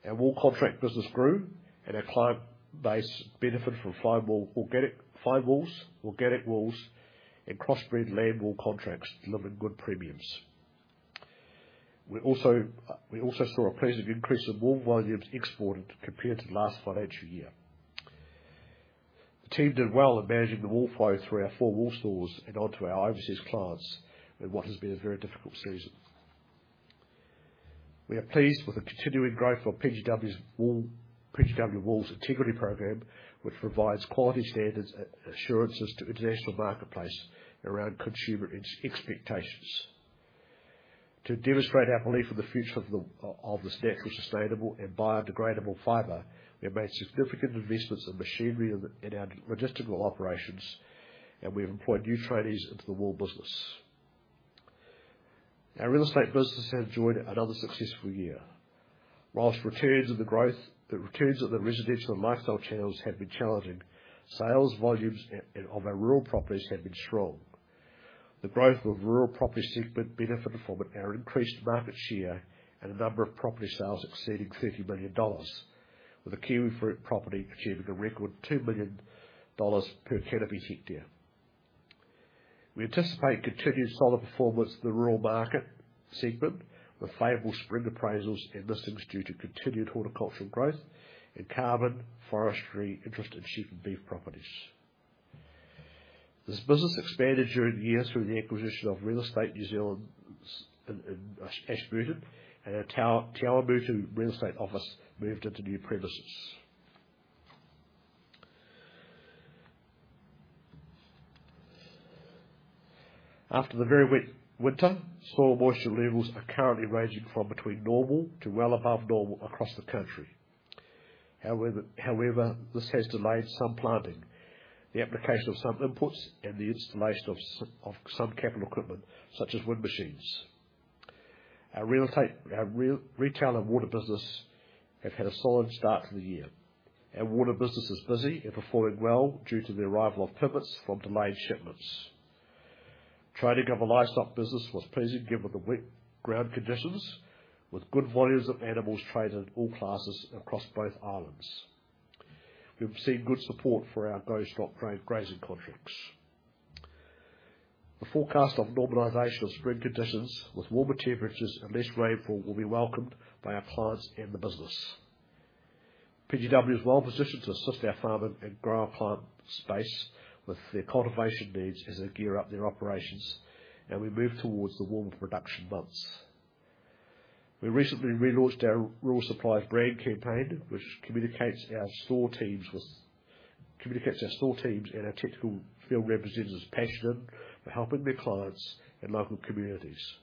Our wool contract business grew, and our client base benefited from fine wool, organic fine wools, organic wools, and crossbreed lamb wool contracts delivering good premiums. We also saw a pleasing increase in wool volumes exported compared to last financial year. The team did well in managing the wool flow through our four wool stores and onto our overseas clients in what has been a very difficult season. We are pleased with the continuing growth of PGW's wool, PGW Wool's Integrity Program, which provides quality standards and assurances to international marketplace around consumer expectations. To demonstrate our belief in the future of this naturally sustainable and biodegradable fiber, we have made significant investments in machinery and our logistical operations, and we have employed new trainees into the wool business. Our real estate business has enjoyed another successful year. While the returns of the residential and lifestyle channels have been challenging, sales volumes and values of our rural properties have been strong. The growth of rural property segment benefited from our increased market share and a number of property sales exceeding 30 million dollars, with a kiwifruit property achieving a record 2 million dollars per canopy hectare. We anticipate continued solid performance in the rural market segment with favorable spring appraisals and listings due to continued horticultural growth and carbon forestry interest in sheep and beef properties. This business expanded during the year through the acquisition of Real Estate New Zealand in Ashburton, and our Te Awamutu Real Estate office moved into new premises. After the very wet winter, soil moisture levels are currently ranging from normal to well above normal across the country. However, this has delayed some planting, the application of some inputs, and the installation of some capital equipment, such as wind machines. Our real estate, our retail and water business have had a solid start to the year. Our water business is busy and performing well due to the arrival of pivots from delayed shipments. Trading of our livestock business was pleasing given the wet ground conditions, with good volumes of animals traded in all classes across both islands. We've seen good support for our GO-STOCK grazing contracts. The forecast of normalization of spring conditions with warmer temperatures and less rainfall will be welcomed by our clients and the business. PGW is well positioned to assist our farming and grower client base with their cultivation needs as they gear up their operations and we move towards the warmer production months. We recently relaunched our Rural Supplies brand campaign, which communicates our store teams and our technical field representatives' passion for helping their clients and local communities.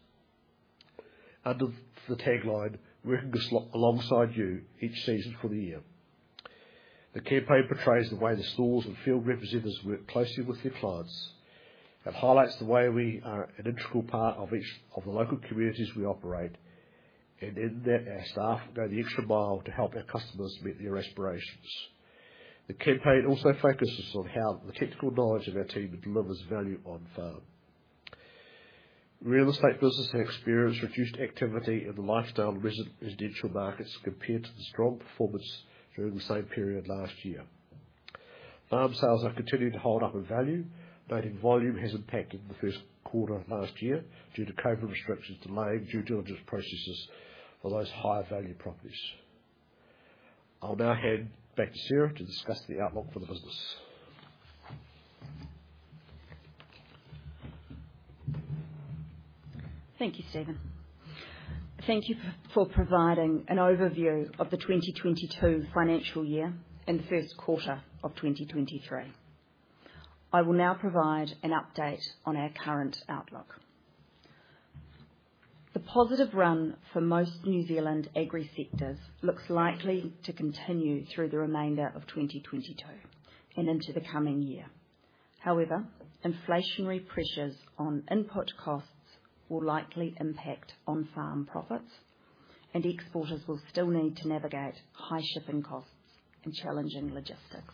Under the tagline, "Working best alongside you each season for the year." The campaign portrays the way the stores and field representatives work closely with their clients. It highlights the way we are an integral part of each of the local communities we operate and in that our staff go the extra mile to help our customers meet their aspirations. The campaign also focuses on how the technical knowledge of our team delivers value on farm. Real estate business has experienced reduced activity in the lifestyle residential markets compared to the strong performance during the same period last year. Farm sales are continuing to hold up in value, but in volume has impacted the first quarter of last year due to COVID restrictions delaying due diligence processes for those higher value properties. I'll now hand back to Sarah to discuss the outlook for the business. Thank you, Stephen. Thank you for providing an overview of the 2022 financial year and the first quarter of 2023. I will now provide an update on our current outlook. The positive run for most New Zealand agri sectors looks likely to continue through the remainder of 2022 and into the coming year. However, inflationary pressures on input costs will likely impact on farm profits, and exporters will still need to navigate high shipping costs and challenging logistics.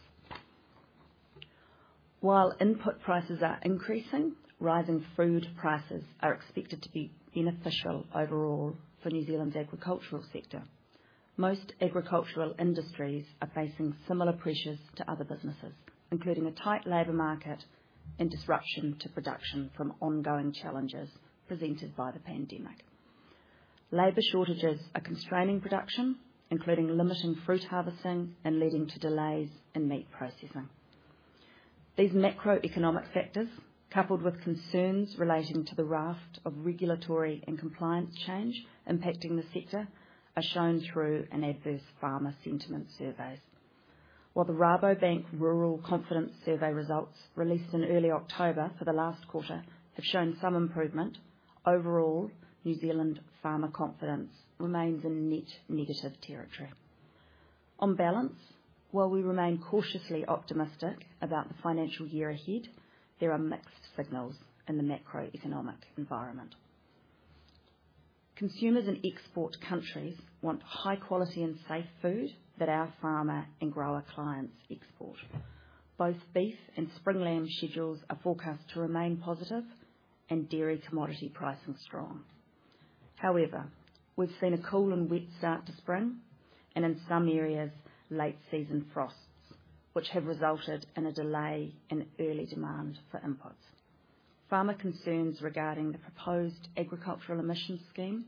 While input prices are increasing, rising food prices are expected to be beneficial overall for New Zealand's agricultural sector. Most agricultural industries are facing similar pressures to other businesses, including a tight labor market and disruption to production from ongoing challenges presented by the pandemic. Labor shortages are constraining production, including limiting fruit harvesting and leading to delays in meat processing. These macroeconomic factors, coupled with concerns relating to the raft of regulatory and compliance change impacting the sector, are shown in adverse farmer sentiment surveys. While the Rabobank Rural Confidence Survey results released in early October for the last quarter have shown some improvement, overall, New Zealand farmer confidence remains in net negative territory. On balance, while we remain cautiously optimistic about the financial year ahead, there are mixed signals in the macroeconomic environment. Consumers in export countries want high quality and safe food that our farmer and grower clients export. Both beef and spring lamb schedules are forecast to remain positive, and dairy commodity pricing strong. However, we've seen a cool and wet start to spring and in some areas, late season frosts, which have resulted in a delay in early demand for inputs. Farmer concerns regarding the proposed agricultural emissions scheme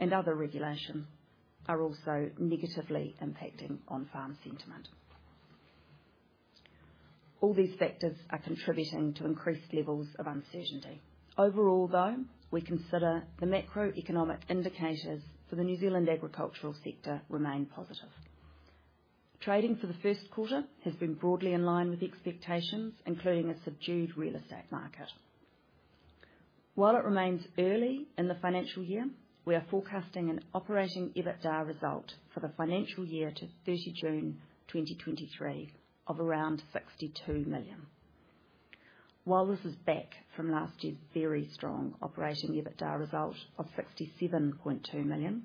and other regulations are also negatively impacting on-farm sentiment. All these factors are contributing to increased levels of uncertainty. Overall, though, we consider the macroeconomic indicators for the New Zealand agricultural sector remain positive. Trading for the first quarter has been broadly in line with expectations, including a subdued real estate market. While it remains early in the financial year, we are forecasting an operating EBITDA result for the financial year to 30 June 2023 of around 62 million. While this is back from last year's very strong operating EBITDA result of 67.2 million,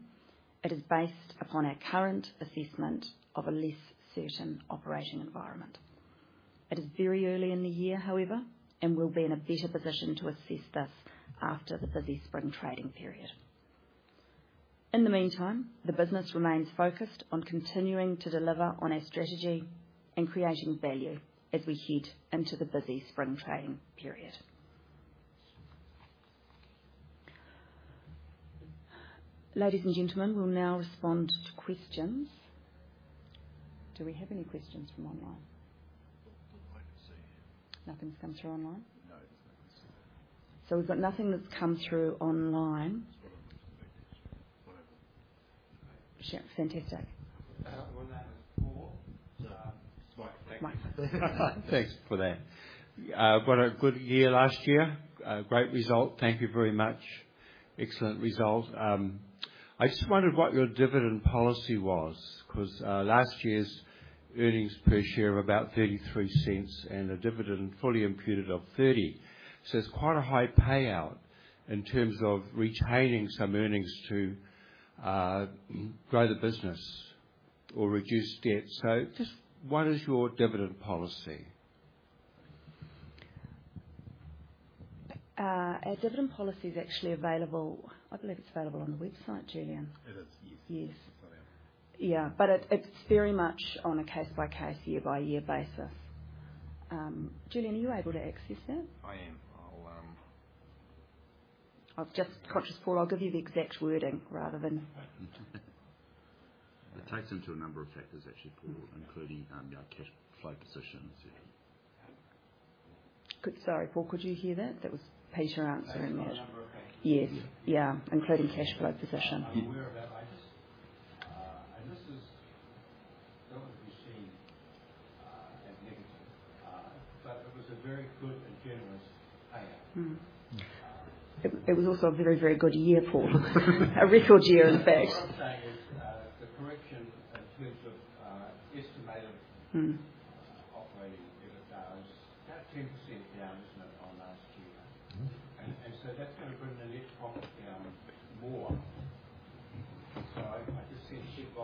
it is based upon our current assessment of a less certain operating environment. It is very early in the year, however, and we'll be in a better position to assess this after the busy spring trading period. In the meantime, the business remains focused on continuing to deliver on our strategy and creating value as we head into the busy spring trading period. Ladies and gentlemen, we'll now respond to questions. Do we have any questions from online? I can see. Nothing's come through online? No, there's nothing. We've got nothing that's come through online. Sure. Fantastic. My name is Paul Meigh. Thanks for that. What a good year last year. A great result. Thank you very much. Excellent result. I just wondered what your dividend policy was. 'Cause last year's earnings per share were about 0.33 and a dividend fully imputed of 0.30. It's quite a high payout in terms of retaining some earnings to grow the business or reduce debt. Just what is your dividend policy? Our dividend policy is actually available. I believe it's available on the website, Julian. It is, yes. Yes. Yeah. It's very much on a case-by-case, year-by-year basis. Julian, are you able to access that? I am. I'll... I was just conscious, Paul. I'll give you the exact wording rather than. It takes into a number of factors, actually, Paul, including our cash flow position. Sorry, Paul, could you hear that? That was Peter answering that. A number of factors. Yes. Yeah, including cash flow position. I'm aware of that. I just, this is not to be seen as negative, but it was a very good and generous payout. Mm-hmm. Uh- It was also a very, very good year, Paul. A record year, in fact. What I'm saying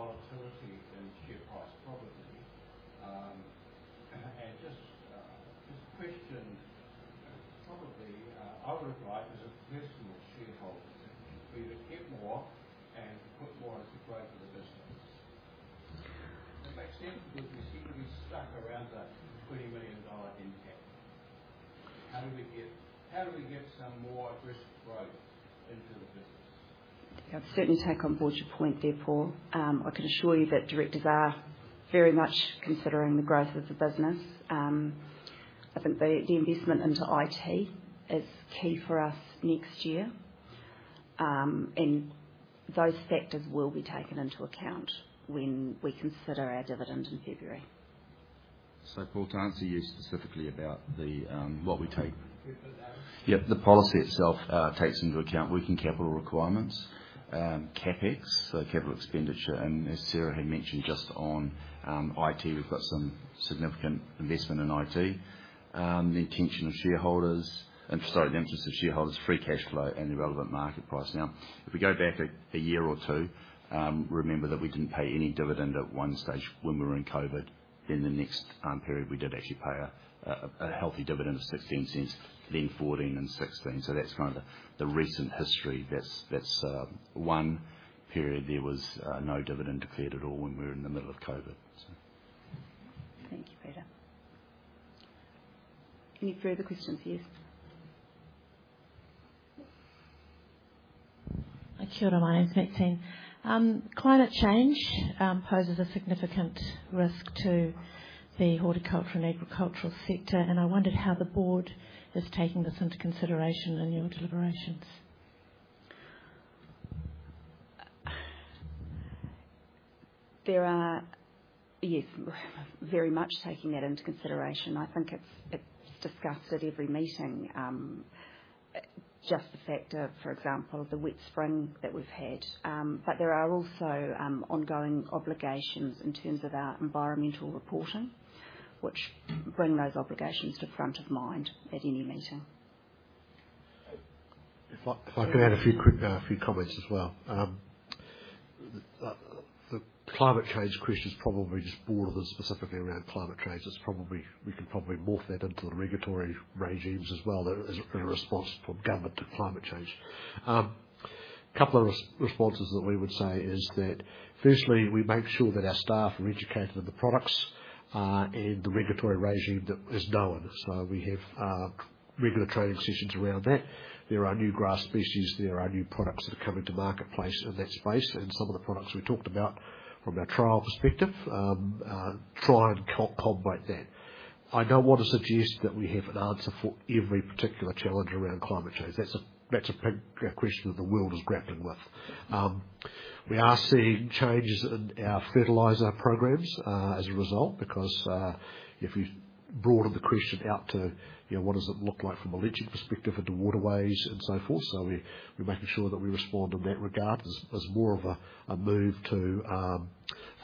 is, the correction in terms of, estimated. Mm. operating EBITDA is about 10% down, isn't it, on last year? Mm-hmm. That's gonna bring the net profit down more. I just see sheer volatility in share price probably. Just a question, probably, I would have liked as a personal shareholder for you to get more and put more into growth of the business. It makes sense because you seem to be stuck around that NZD 20 million income. How do we get some more aggressive growth into the business? I'd certainly take on board your point there, Paul. I can assure you that directors are very much considering the growth of the business. I think the investment into IT is key for us next year. Those factors will be taken into account when we consider our dividend in February. Paul, to answer you specifically about what we take. Yep. The policy itself takes into account working capital requirements, CapEx, so capital expenditure, and as Sarah had mentioned, just on IT, we've got some significant investment in IT. The intention of shareholders and sorry, the interest of shareholders, free cash flow and the relevant market price. Now, if we go back a year or two, remember that we didn't pay any dividend at one stage when we were in COVID. In the next period, we did actually pay a healthy dividend of 0.16, then 0.14 and 0.16. That's kind of the recent history. One period there was no dividend declared at all when we were in the middle of COVID. Thank you, Peter. Any further questions? Yes. Kia ora mai. It's Maxine. Climate change poses a significant risk to the horticulture and agricultural sector, and I wondered how the board is taking this into consideration in your deliberations. Yes, very much taking that into consideration. I think it's discussed at every meeting. Just the fact of, for example, the wet spring that we've had. There are also ongoing obligations in terms of our environmental reporting, which bring those obligations to front of mind at any meeting. If I can add a few quick comments as well. The climate change question is probably just broader than specifically around climate change. It's probably we can probably morph that into the regulatory regimes as well. There is a response from government to climate change. Couple of responses that we would say is that, firstly, we make sure that our staff are educated on the products and the regulatory regime that is known. So we have regular training sessions around that. There are new grass species, there are new products that are coming to marketplace in that space, and some of the products we talked about from a trial perspective try and combat that. I don't want to suggest that we have an answer for every particular challenge around climate change. That's a big question that the world is grappling with. We are seeing changes in our fertilizer programs as a result, because if we broaden the question out to, you know, what does it look like from a leaching perspective of the waterways and so forth. We're making sure that we respond in that regard as more of a move to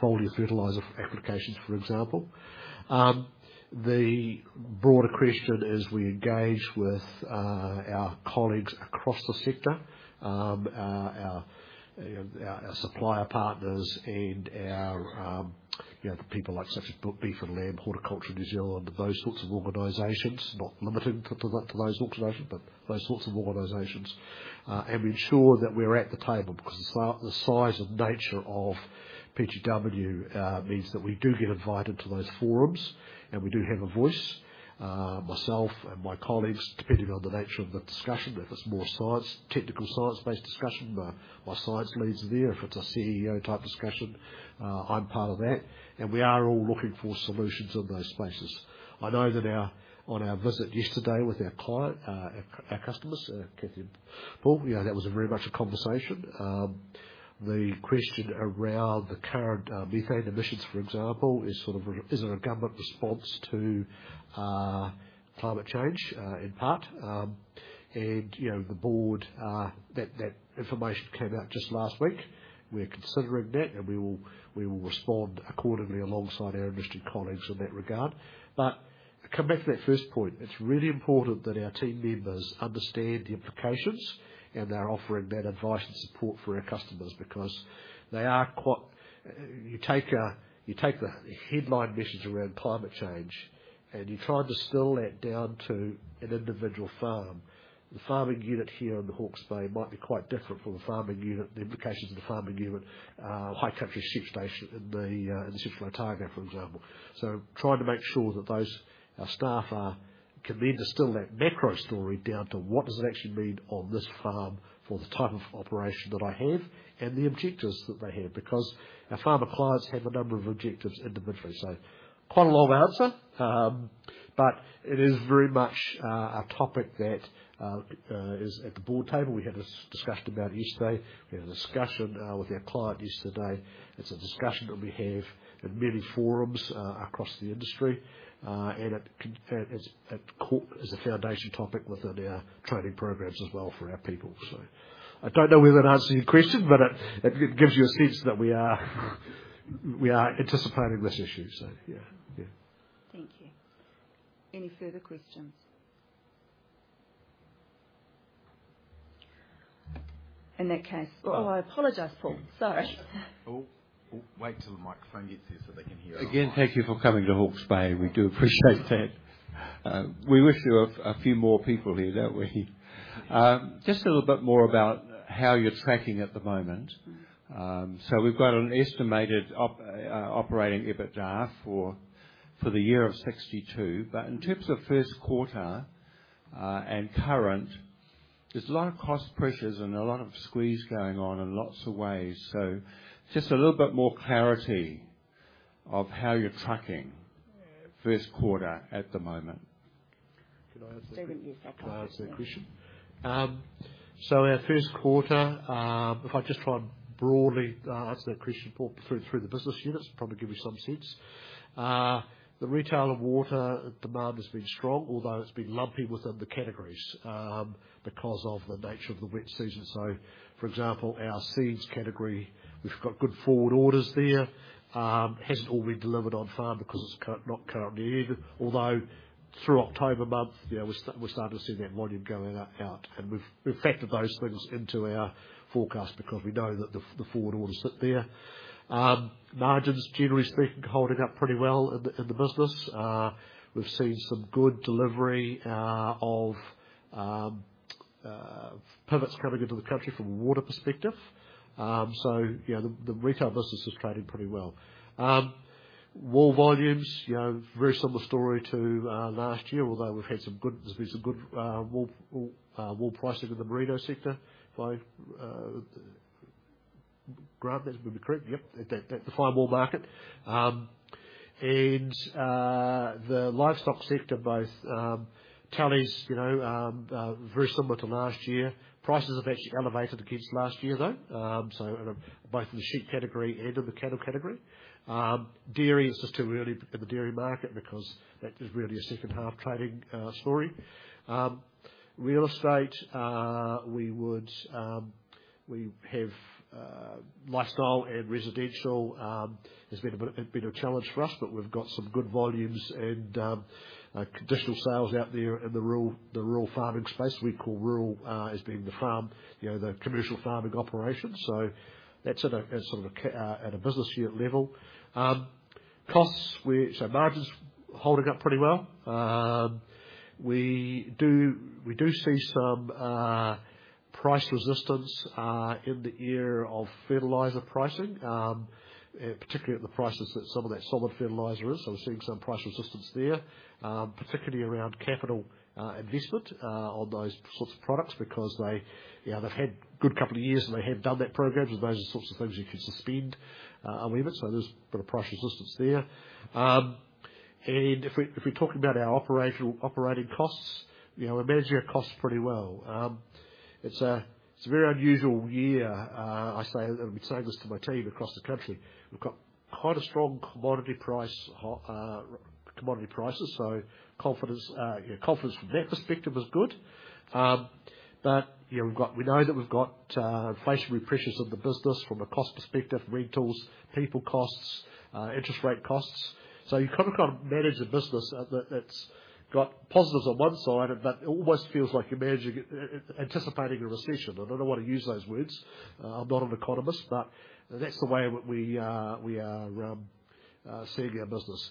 foliar fertilizer applications, for example. The broader question is we engage with our colleagues across the sector, our supplier partners and, you know, the people like Beef + Lamb New Zealand, Horticulture New Zealand, those sorts of organizations. Not limited to those organizations, but those sorts of organizations. We ensure that we're at the table because the size and nature of PGW means that we do get invited to those forums, and we do have a voice. Myself and my colleagues, depending on the nature of the discussion, if it's more science, technical science-based discussion, my science lead's there. If it's a CEO type discussion, I'm part of that. We are all looking for solutions in those spaces. I know that on our visit yesterday with our client, our customers, Cathy and Paul, you know, that was very much a conversation. The question around the current methane emissions, for example, is sort of, is it a government response to climate change, in part. You know, the board, that information came out just last week. We're considering that, and we will respond accordingly alongside our industry colleagues in that regard. Come back to that first point. It's really important that our team members understand the implications, and they're offering that advice and support for our customers because they are quite. You take the headline emissions around climate change, and you're trying to distill that down to an individual farm. The farming unit here in Hawke's Bay might be quite different from a high country sheep station in Central Otago, for example. Trying to make sure that our staff can then distill that macro story down to what does it actually mean on this farm for the type of operation that I have and the objectives that they have. Because our farmer clients have a number of objectives individually. Quite a long answer, but it is very much a topic that is at the board table. We had a discussion about it yesterday. We had a discussion with our client yesterday. It's a discussion that we have in many forums across the industry, and it is a foundation topic within our training programs as well for our people. I don't know whether I'd answer your question, but it gives you a sense that we are anticipating this issue. Yeah. Yeah. Thank you. Any further questions? In that case. Oh, I apologize, Paul. Sorry. Oh, wait till the microphone gets here so they can hear us. Again, thank you for coming to Hawke's Bay. We do appreciate that. We wish there were a few more people here, don't we? Just a little bit more about how you're tracking at the moment. We've got an estimated operating EBITDA for the year of 62. In terms of first quarter and current, there's a lot of cost pressures and a lot of squeeze going on in lots of ways. Just a little bit more clarity of how you're tracking first quarter at the moment. Can I answer that? Stephen, yes, go ahead. Can I answer that question? Our first quarter, if I just try and broadly answer that question, Paul, through the business units, probably give you some sense. The retail and water demand has been strong, although it's been lumpy within the categories, because of the nature of the wet season. For example, our seeds category, we've got good forward orders there. Hasn't all been delivered on farm because it's not currently needed. Although through October month, you know, we're starting to see that volume going out, and we've factored those things into our forecast because we know that the forward orders sit there. Margins, generally speaking, holding up pretty well in the business. We've seen some good delivery of pivots coming into the country from a water perspective. You know, the retail business is trading pretty well. Wool volumes, you know, very similar story to last year, although we've had some good, there's been some good wool pricing in the Merino sector by Grant, that would be correct? Yep, at the fine wool market. The livestock sector, both cattle is, you know, very similar to last year. Prices have actually elevated against last year, though, and both in the sheep category and in the cattle category. Dairy, it's just too early in the dairy market because that is really a second-half trading story. Real estate, we have lifestyle and residential has been a challenge for us, but we've got some good volumes and conditional sales out there in the rural farming space. We call rural as being the farm, you know, the commercial farming operations. That's at sort of a business unit level. Costs, margins holding up pretty well. We do see some price resistance in the area of fertilizer pricing, particularly at the prices that some of that solid fertilizer is. We're seeing some price resistance there, particularly around capital investment on those sorts of products because they, you know, they've had good couple of years, and they have done that program 'cause those are the sorts of things you can suspend a limit. There's a bit of price resistance there. If we're talking about our operational costs, you know, we're managing our costs pretty well. It's a very unusual year. I've been saying this to my team across the country. We've got quite strong commodity prices, so confidence from that perspective is good. But we know that we've got inflationary pressures on the business from a cost perspective, rentals, people costs, interest rate costs. You've kind of got to manage the business that's got positives on one side, but it almost feels like you're managing it, anticipating a recession. I don't wanna use those words. I'm not an economist, but that's the way we are seeing our business.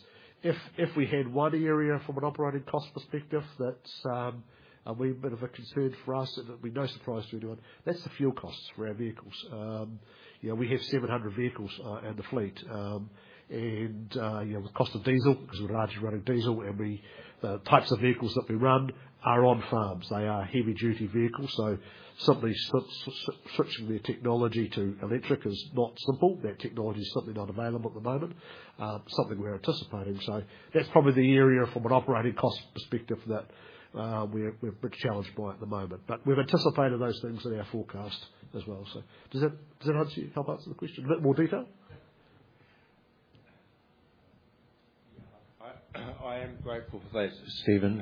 If we had one area from an operating cost perspective that is a bit of a concern for us, and it'd be no surprise to anyone, that's the fuel costs for our vehicles. You know, we have 700 vehicles in the fleet, and you know, the cost of diesel because we're largely running diesel and the types of vehicles that we run are on farms. They are heavy-duty vehicles, so suddenly switching their technology to electric is not simple. That technology is simply not available at the moment. Something we're anticipating. That's probably the area from an operating cost perspective that, we're a bit challenged by at the moment. We've anticipated those things in our forecast as well. Does that answer, help answer the question in a bit more detail? Yeah. I am grateful for that, Stephen.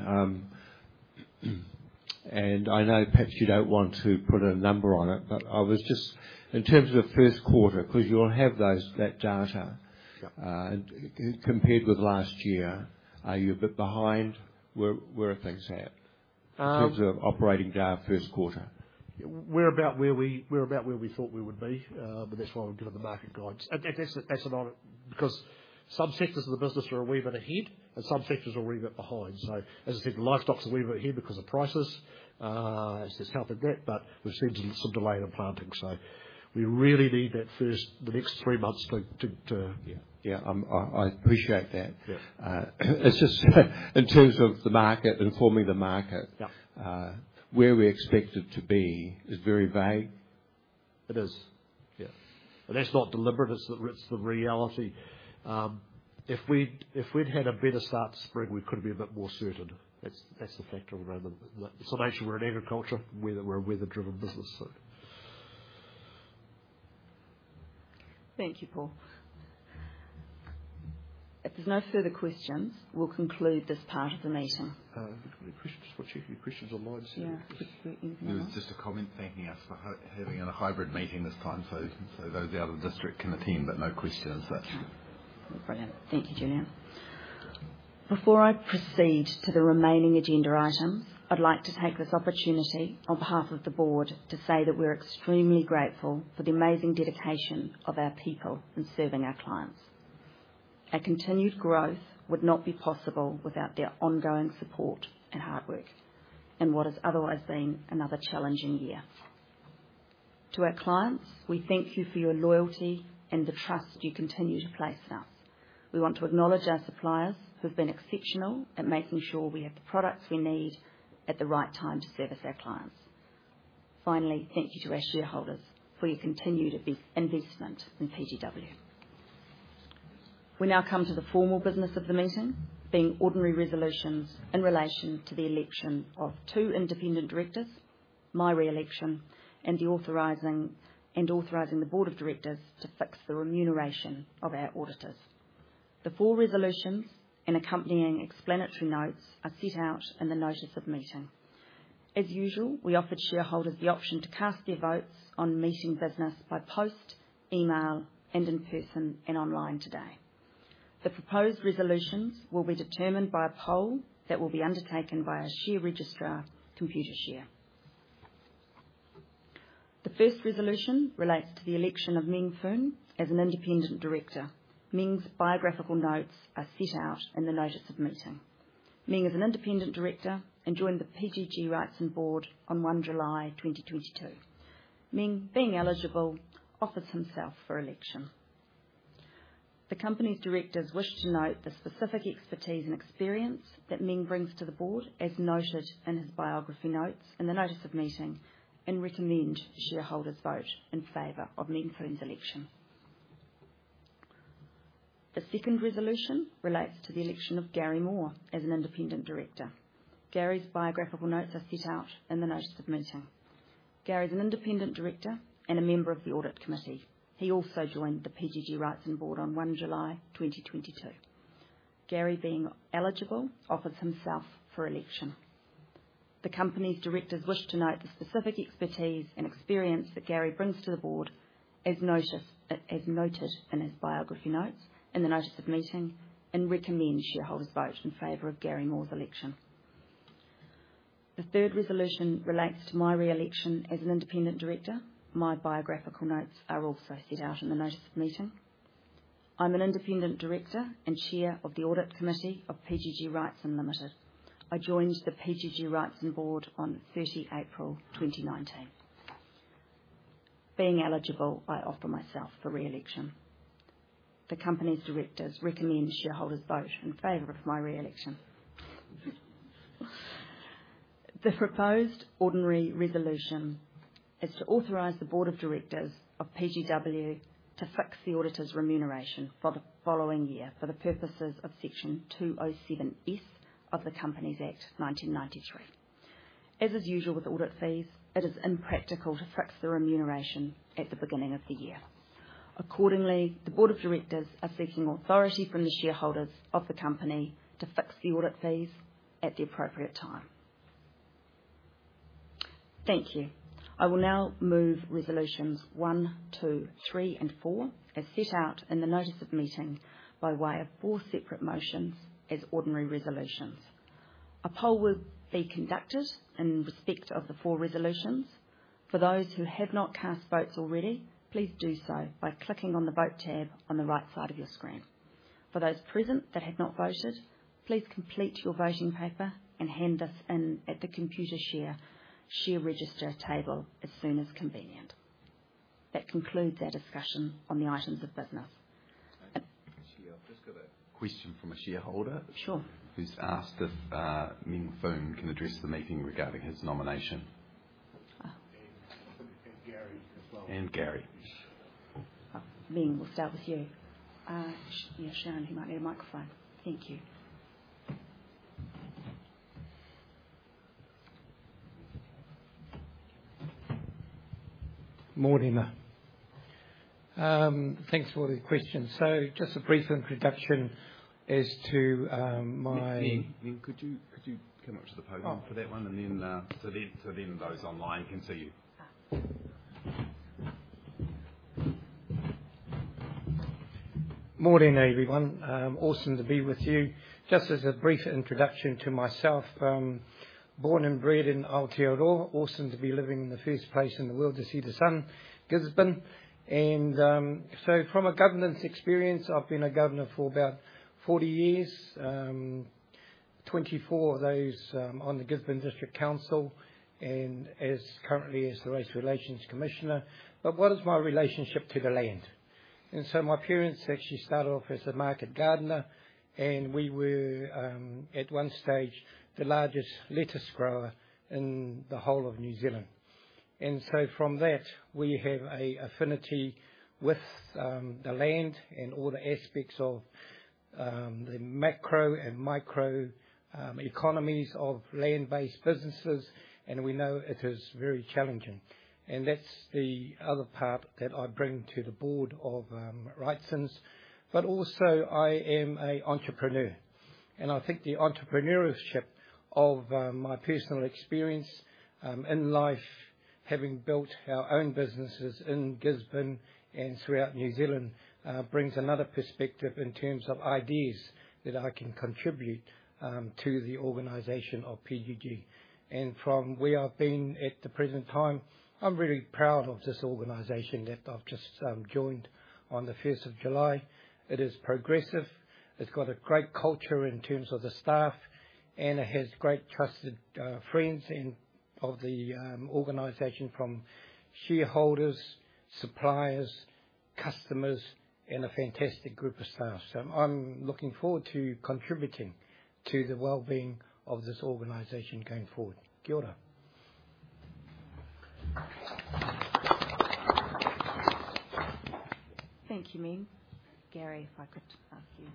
I know perhaps you don't want to put a number on it, but I was just, in terms of first quarter, 'cause you'll have those, that data. Yeah. Compared with last year, are you a bit behind? Where are things at? Um- In terms of operating our first quarter. We're about where we thought we would be, but that's why we give them the market guides. That's an honor because some sectors of the business are a wee bit ahead and some sectors are a wee bit behind. As I said, the livestock's a wee bit ahead because of prices. As we've covered that, but we've seen some delay in the planting. We really need that first, the next three months to. Yeah. Yeah. I appreciate that. Yeah. It's just in terms of the market, informing the market. Yeah. Where we expect it to be is very vague. It is. Yeah. That's not deliberate. It's the reality. If we'd had a better start to spring, we could be a bit more certain. That's the factor around the situation. We're in agriculture. We're a weather-driven business, so. Thank you, Paul. If there's no further questions, we'll conclude this part of the meeting. We've got a few questions. We have a few questions online, Stephen. Yeah. There's just a comment thanking us for having a hybrid meeting this time, so those out of the district can attend, but no questions. That's good. Brilliant. Thank you, Julian. Before I proceed to the remaining agenda item, I'd like to take this opportunity on behalf of the board to say that we're extremely grateful for the amazing dedication of our people in serving our clients. Our continued growth would not be possible without their ongoing support and hard work in what has otherwise been another challenging year. To our clients, we thank you for your loyalty and the trust you continue to place in us. We want to acknowledge our suppliers who've been exceptional at making sure we have the products we need at the right time to service our clients. Finally, thank you to our shareholders for your continued investment in PGW. We now come to the formal business of the meeting, being ordinary resolutions in relation to the election of two independent directors, my re-election, and the authorizing. authorizing the board of directors to fix the remuneration of our auditors. The four resolutions and accompanying explanatory notes are set out in the notice of meeting. As usual, we offered shareholders the option to cast their votes on meeting business by post, email, and in person, and online today. The proposed resolutions will be determined by a poll that will be undertaken by our share registrar, Computershare. The first resolution relates to the election of Meng Foon as an independent director. Meng's biographical notes are set out in the notice of meeting. Meng is an independent director and joined the PGG Wrightson board on 1 July 2022. Meng, being eligible, offers himself for election. The company's directors wish to note the specific expertise and experience that Meng Foon brings to the board, as noted in his biography notes The company's directors recommend shareholders vote in favor of my re-election. The proposed ordinary resolution is to authorize the board of directors of PGW to fix the auditor's remuneration for the following year for the purposes of Section 207S of the Companies Act 1993. As is usual with audit fees, it is impractical to fix the remuneration at the beginning of the year. Accordingly, the board of directors are seeking authority from the shareholders of the company to fix the audit fees at the appropriate time. Thank you. I will now move resolutions one, two, three, and four, as set out in the notice of meeting by way of four separate motions as ordinary resolutions. A poll will be conducted in respect of the four resolutions. For those who have not cast votes already, please do so by clicking on the Vote tab on the right side of your screen. For those present that have not voted, please complete your voting paper and hand this in at the Computershare share register table as soon as convenient. That concludes our discussion on the items of business. I've just got a question from a shareholder. Sure. Who's asked if Meng Foon can address the meeting regarding his nomination? Oh. Garry as well. Garry. Meng Foon, we'll start with you. Yeah, Sharon, he might need a microphone. Thank you. Morning. Thanks for the question. Just a brief introduction as to my Meng Foon, could you come up to the podium for that one and then so then those online can see you. Ah. Morning, everyone. Awesome to be with you. Just as a brief introduction to myself, born and bred in Aotearoa. Awesome to be living in the first place in the world to see the sun, Gisborne. From a governance experience, I've been a governor for about 40 years, 24 of those, on the Gisborne District Council and currently as the Race Relations Commissioner. What is my relationship to the land? My parents actually started off as a market gardener, and we were, at one stage, the largest lettuce grower in the whole of New Zealand. From that, we have an affinity with the land and all the aspects of the macro and micro economies of land-based businesses, and we know it is very challenging. That's the other part that I bring to the board of PGG Wrightson. Also, I am a entrepreneur, and I think the entrepreneurship of my personal experience in life. Having built our own businesses in Gisborne and throughout New Zealand brings another perspective in terms of ideas that I can contribute to the organization of PGG. From where I've been at the present time, I'm really proud of this organization that I've just joined on the first of July. It is progressive, it's got a great culture in terms of the staff, and it has great trusted friends in the organization from shareholders, suppliers, customers, and a fantastic group of staff. I'm looking forward to contributing to the well-being of this organization going forward. Kia ora. Thank you, Meng Foon. Garry, if I could ask you.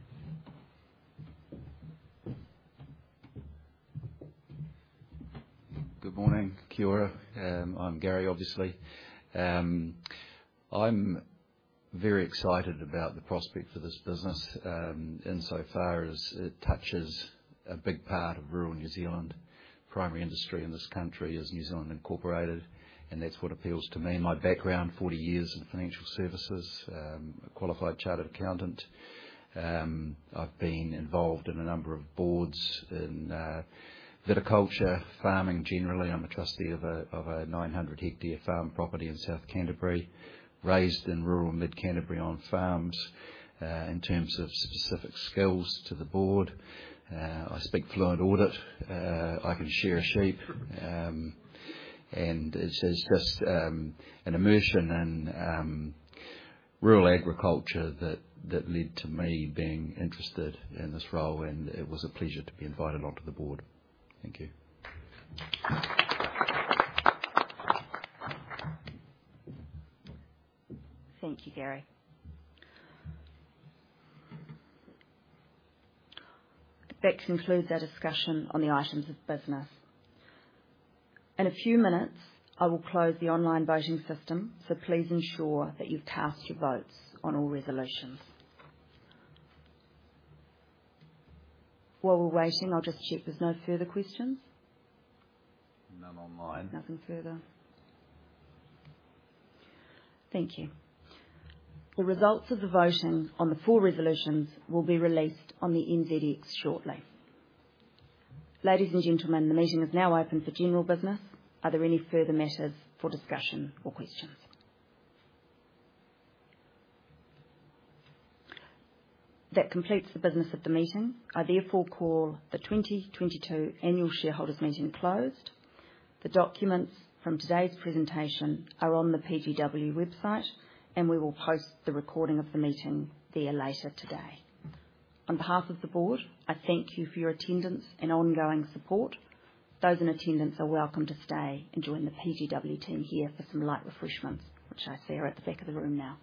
Good morning. Kia ora. I'm Garry, obviously. I'm very excited about the prospect for this business, insofar as it touches a big part of rural New Zealand primary industry in this country as New Zealand Incorporated, and that's what appeals to me. My background, 40 years in financial services. A qualified chartered accountant. I've been involved in a number of boards in viticulture, farming generally. I'm a trustee of a 900-hectare farm property in South Canterbury. Raised in rural mid-Canterbury on farms. In terms of specific skills to the board, I speak fluent audit. I can shear a sheep. It is just an immersion in rural agriculture that led to me being interested in this role, and it was a pleasure to be invited onto the board. Thank you. Thank you, Garry. That concludes our discussion on the items of business. In a few minutes, I will close the online voting system, so please ensure that you've cast your votes on all resolutions. While we're waiting, I'll just check there's no further questions. None online. Nothing further. Thank you. The results of the voting on the four resolutions will be released on the NZX shortly. Ladies and gentlemen, the meeting is now open for general business. Are there any further matters for discussion or questions? That completes the business of the meeting. I therefore call the 2022 annual shareholders meeting closed. The documents from today's presentation are on the PGW website, and we will post the recording of the meeting there later today. On behalf of the board, I thank you for your attendance and ongoing support. Those in attendance are welcome to stay and join the PGW team here for some light refreshments, which I see are at the back of the room now.